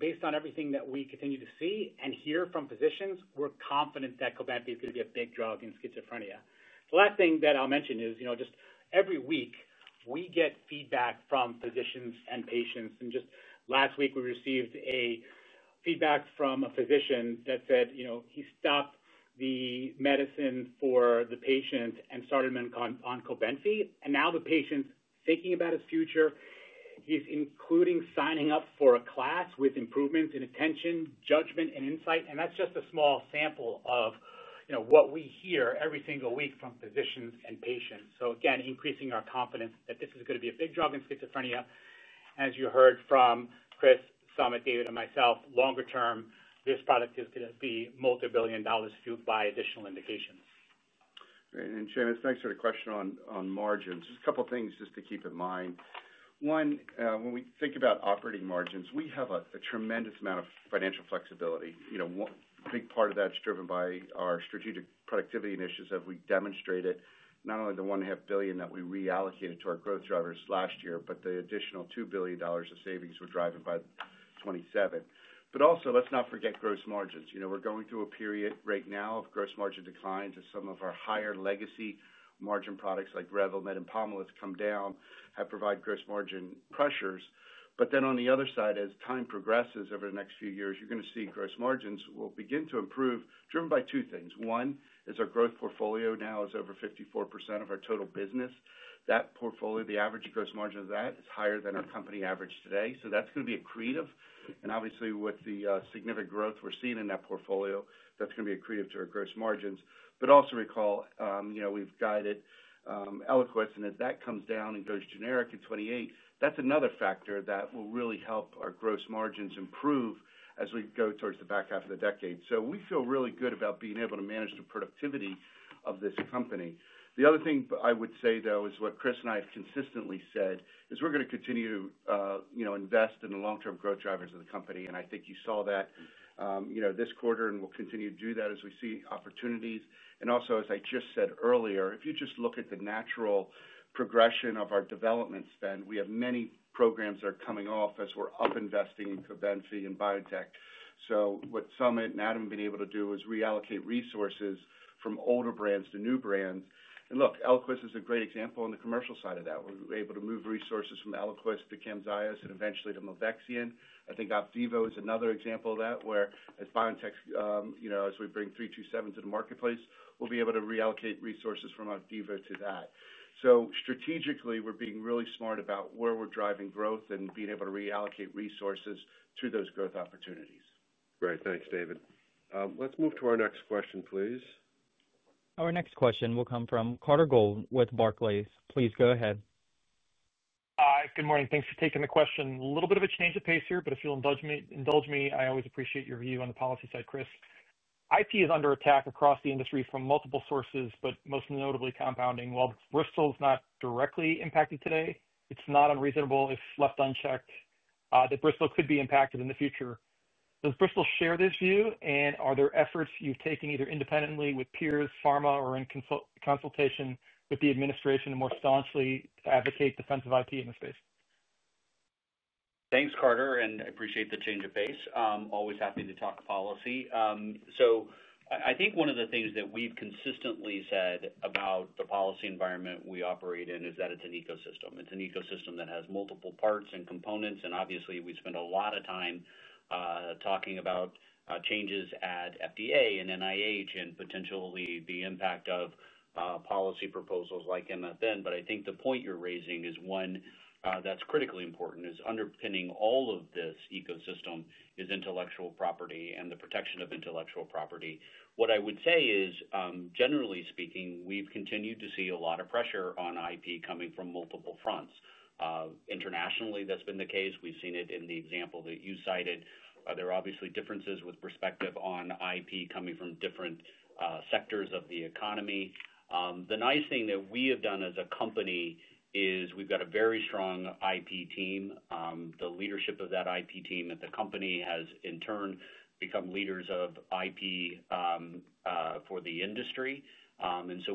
Based on everything that we continue to see and hear from physicians, we are confident that COBENFY is going to be a big drug in schizophrenia. The last thing that I'll mention is just every week, we get feedback from physicians and patients. Just last week, we received feedback from a physician that said he stopped the medicine for the patient and started him on COBENFY. Now the patient is thinking about his future. He is including signing up for a class with improvements in attention, judgment, and insight. That is just a small sample of what we hear every single week from physicians and patients. Again, increasing our confidence that this is going to be a big drug in schizophrenia. As you heard from Chris, Samit, David, and myself, longer term, this product is going to be multi-billion dollars fueled by additional indications. Great. Shamus, thanks for the question on margins. Just a couple of things to keep in mind. One, when we think about operating margins, we have a tremendous amount of financial flexibility. A big part of that is driven by our strategic productivity initiative. We demonstrated not only the $1.5 billion that we reallocated to our growth drivers last year, but the additional $2 billion of savings we're driving by 2027. Also, let's not forget gross margins. We're going through a period right now of gross margin decline as some of our higher legacy margin products like Revlimid and Pomalyst come down, which have provided gross margin pressures. On the other side, as time progresses over the next few years, you're going to see gross margins begin to improve, driven by two things. One is our growth portfolio now is over 54% of our total business. That portfolio, the average gross margin of that is higher than our company average today. That's going to be accretive. Obviously, with the significant growth we're seeing in that portfolio, that's going to be accretive to our gross margins. Also recall, we've guided Eliquis, and as that comes down and goes generic in 2028, that's another factor that will really help our gross margins improve as we go towards the back half of the decade. We feel really good about being able to manage the productivity of this company. The other thing I would say, though, is what Chris and I have consistently said, we're going to continue to invest in the long-term growth drivers of the company. I think you saw that this quarter, and we'll continue to do that as we see opportunities. Also, as I just said earlier, if you just look at the natural progression of our development spend, we have many programs that are coming off as we're up investing in COBENFY and BioNTech. What Samit and Adam have been able to do is reallocate resources from older brands to new brands. Eliquis is a great example on the commercial side of that. We were able to move resources from Eliquis to Camzyos and eventually to milvexian. I think Opdivo is another example of that, where as BioNTech, as we bring BNT327 into the marketplace, we'll be able to reallocate resources from OPDIVO to that. Strategically, we're being really smart about where we're driving growth and being able to reallocate resources to those growth opportunities. `Great. Thanks, David. Let's move to our next question, please. Our next question will come from Carter Gould with Barclays. Please go ahead. Hi. Good morning. Thanks for taking the question. A little bit of a change of pace here, but if you'll indulge me, I always appreciate your view on the policy side, Chris. IP is under attack across the industry from multiple sources, but most notably compounding. While Bristol is not directly impacted today, it's not unreasonable if left unchecked that Bristol could be impacted in the future. Does Bristol share this view? Are there efforts you've taken either independently with peers, pharma, or in consultation with the administration to more staunchly advocate defensive IP in the space? Thanks, Carter. I appreciate the change of pace. Always happy to talk policy. I think one of the things that we've consistently said about the policy environment we operate in is that it's an ecosystem. It's an ecosystem that has multiple parts and components. Obviously, we spend a lot of time talking about changes at FDA and NIH and potentially the impact of policy proposals like MFN. I think the point you're raising is one that's critically important. Underpinning all of this ecosystem is intellectual property and the protection of intellectual property. What I would say is, generally speaking, we've continued to see a lot of pressure on IP coming from multiple fronts. Internationally, that's been the case. We've seen it in the example that you cited. There are obviously differences with perspective on IP coming from different sectors of the economy. The nice thing that we have done as a company is we've got a very strong IP team. The leadership of that IP team at the company has, in turn, become leaders of IP for the industry.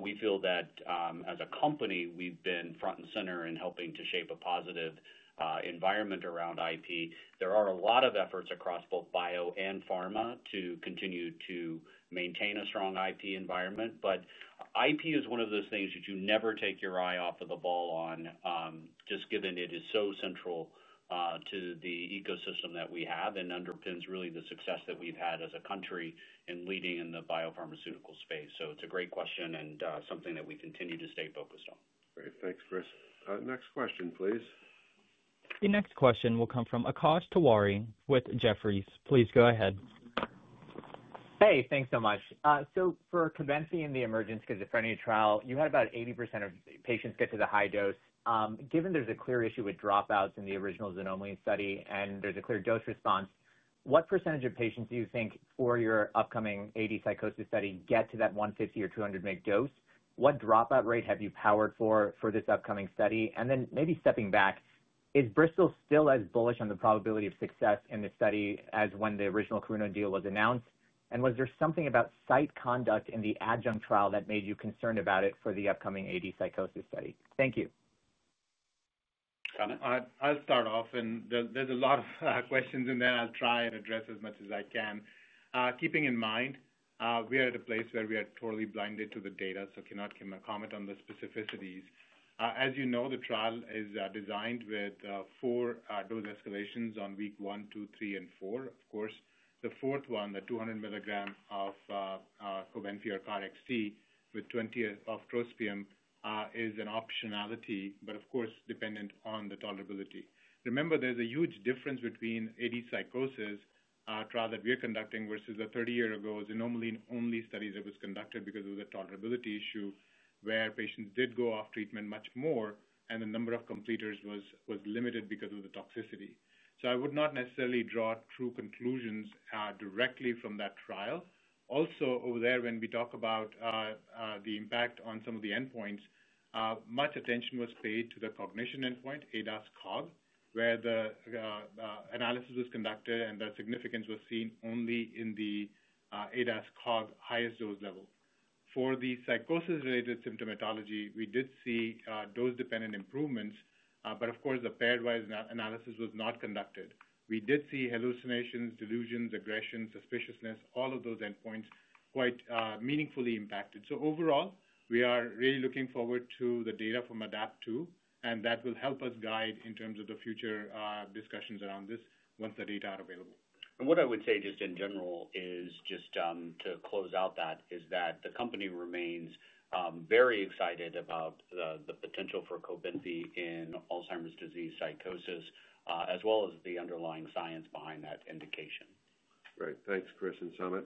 We feel that as a company, we've been front and center in helping to shape a positive environment around IP. There are a lot of efforts across both bio and pharma to continue to maintain a strong IP environment. IP is one of those things that you never take your eye off of the ball on, just given it is so central to the ecosystem that we have and underpins really the success that we've had as a country in leading in the biopharmaceutical space. It's a great question and something that we continue to stay focused on. Great. Thanks, Chris. Next question, please. The next question will come from Akash Tewari with Jefferies. Please go ahead. Thank you so much. For COBENFY and the emergence, schizophrenia trial, you had about 80% of patients get to the high dose. Given there's a clear issue with dropouts in the original xanomaline study and there's a clear dose response, what percent of patients do you think for your upcoming AD psychosis study get to that 150 mg or 200 mg dose? What dropout rate have you powered for for this upcoming study? Maybe stepping back, is Bristol still as bullish on the probability of success in the study as when the original Karuna deal was announced? Was there something about site conduct in the adjunct trial that made you concerned about it for the upcoming AD psychosis study? Thank you. I'll start off. There's a lot of questions in there. I'll try and address as much as I can. Keeping in mind, we are at a place where we are totally blinded to the data, so cannot comment on the specificities. As you know, the trial is designed with four dose escalations on week one, two, three, and four. Of course, the fourth one, the 200 mg of COBENFY or KarXT with 20 of trospium, is an optionality, but of course, dependent on the tolerability. Remember, there's a huge difference between the AD psychosis trial that we are conducting versus the 30 years ago xanomaline-only studies that were conducted because of the tolerability issue where patients did go off treatment much more and the number of completers was limited because of the toxicity. I would not necessarily draw true conclusions directly from that trial. Also, over there, when we talk about the impact on some of the endpoints, much attention was paid to the cognition endpoint, ADAS COG, where the analysis was conducted and the significance was seen only in the ADAS COG highest dose level. For the psychosis-related symptomatology, we did see dose-dependent improvements, but of course, the paired-wise analysis was not conducted. We did see hallucinations, delusions, aggression, suspiciousness, all of those endpoints quite meaningfully impacted. Overall, we are really looking forward to the data from ADEPT-2, and that will help us guide in terms of the future discussions around this once the data are available. What I would say just in general to close out that is that the company remains very excited about the potential for COBENFY in Alzheimer's disease psychosis, as well as the underlying science behind that indication. Great. Thanks, Chris and Samit.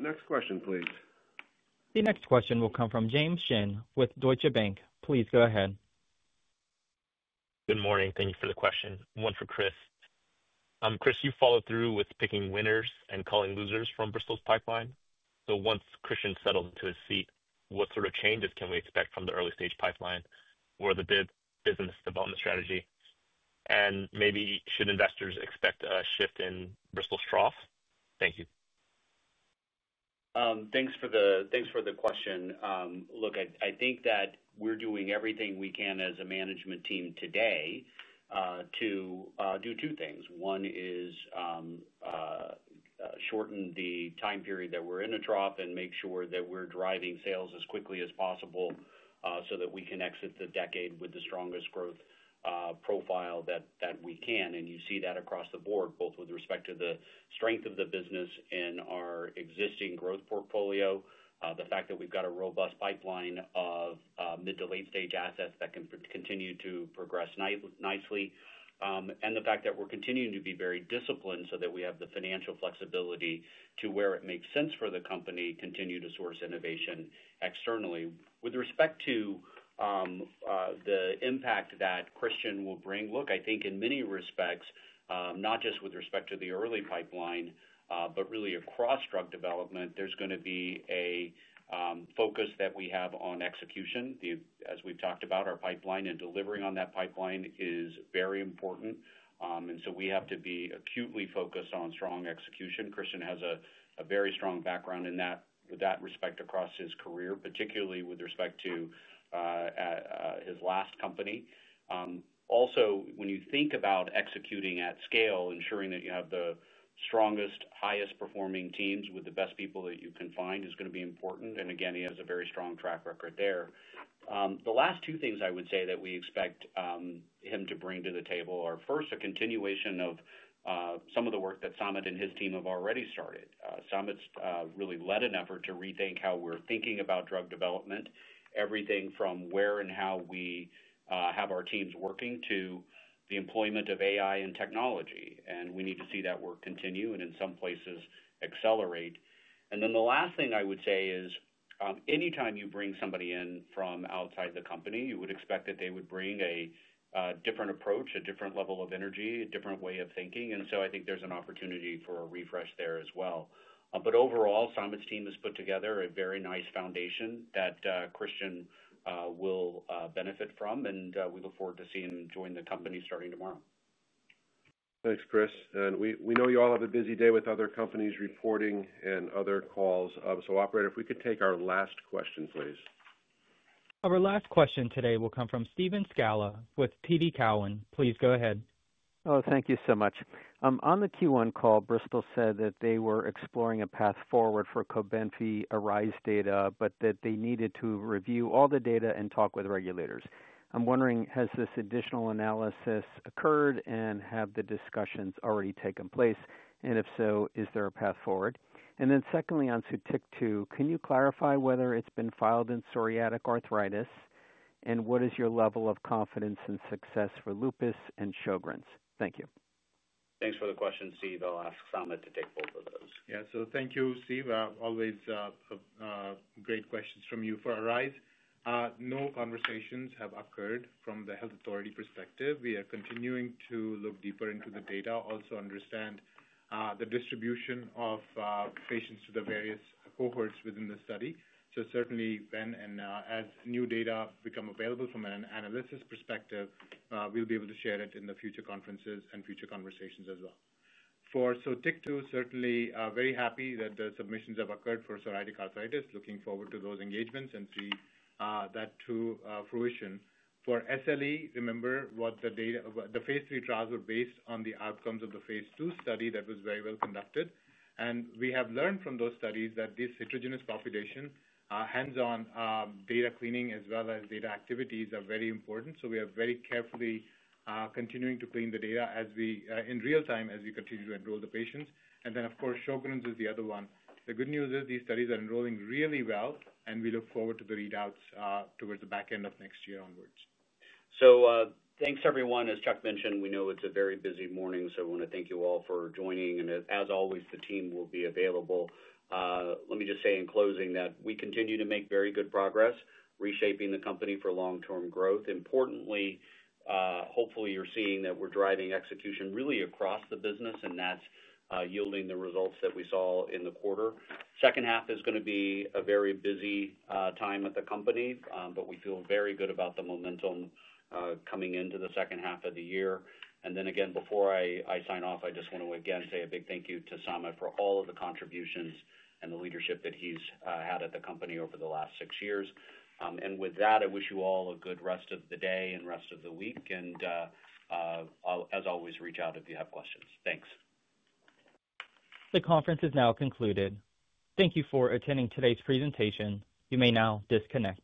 Next question, please. The next question will come from James Shin with Deutsche Bank. Please go ahead. Good morning. Thank you for the question. One for Chris. Chris, you followed through with picking winners and calling losers from Bristol's pipeline. Once Cristian settled into his seat, what sort of changes can we expect from the early-stage pipeline or the business development strategy? Maybe should investors expect a shift in Bristol's trough? Thank you. Thanks for the question. Look, I think that we're doing everything we can as a management team today to do two things. One is shorten the time period that we're in a trough and make sure that we're driving sales as quickly as possible so that we can exit the decade with the strongest growth profile that we can. You see that across the board, both with respect to the strength of the business in our existing growth portfolio, the fact that we've got a robust pipeline of mid to late-stage assets that can continue to progress nicely, and the fact that we're continuing to be very disciplined so that we have the financial flexibility to, where it makes sense for the company, continue to source innovation externally. With respect to the impact that Cristian will bring, look, I think in many respects, not just with respect to the early pipeline, but really across drug development, there's going to be a focus that we have on execution. As we've talked about, our pipeline and delivering on that pipeline is very important, and we have to be acutely focused on strong execution. Cristian has a very strong background in that respect across his career, particularly with respect to his last company. Also, when you think about executing at scale, ensuring that you have the strongest, highest-performing teams with the best people that you can find is going to be important. He has a very strong track record there. The last two things I would say that we expect him to bring to the table are, first, a continuation of some of the work that Samit and his team have already started. Samit really led an effort to rethink how we're thinking about drug development, everything from where and how we have our teams working to the employment of AI and technology. We need to see that work continue and in some places accelerate. The last thing I would say is anytime you bring somebody in from outside the company, you would expect that they would bring a different approach, a different level of energy, a different way of thinking. I think there's an opportunity for a refresh there as well. Overall, Samit's team has put together a very nice foundation that Cristian will benefit from, and we look forward to seeing him join the company starting tomorrow. Thanks, Chris. We know you all have a busy day with other companies reporting and other calls. Operator, if we could take our last question, please. Our last question today will come from Steve Scala with TD Cowen. Please go ahead. Thank you so much. On the Q1 call, Bristol said that they were exploring a path forward for COBENFY ARISE data, but that they needed to review all the data and talk with regulators. I'm wondering, has this additional analysis occurred, and have the discussions already taken place? If so, is there a path forward? Secondly, on Sotyktu, can you clarify whether it's been filed in psoriatic arthritis? What is your level of confidence in success for lupus and Sjögren's? Thank you. Thanks for the question, Steve. I'll ask Samit to take both of those. Thank you, Steve. Always great questions from you for ARISE. No conversations have occurred from the health authority perspective. We are continuing to look deeper into the data, also understand the distribution of patients to the various cohorts within the study. Certainly, when and as new data become available from an analysis perspective, we'll be able to share it in future conferences and future conversations as well. For Sotyktu, certainly very happy that the submissions have occurred for psoriatic arthritis. Looking forward to those engagements and see that to fruition. For SLE, remember what the phase III trials were based on, the outcomes of the phase II study that was very well conducted. We have learned from those studies that this heterogeneous population, hands-on data cleaning as well as data activities are very important. We are very carefully continuing to clean the data in real time as we continue to enroll the patients. Of course, Sjögren's is the other one. The good news is these studies are enrolling really well, and we look forward to the readouts towards the back end of next year onwards. Thank you, everyone. As Chuck mentioned, we know it's a very busy morning, so I want to thank you all for joining. As always, the team will be available. Let me just say in closing that we continue to make very good progress, reshaping the company for long-term growth. Importantly, hopefully, you're seeing that we're driving execution really across the business, and that's yielding the results that we saw in the quarter. The second half is going to be a very busy time at the company, but we feel very good about the momentum coming into the second half of the year. Before I sign off, I just want to again say a big thank you to Samit for all of the contributions and the leadership that he's had at the company over the last six years. I wish you all a good rest of the day and rest of the week. As always, reach out if you have questions. Thanks. The conference is now concluded. Thank you for attending today's presentation. You may now disconnect.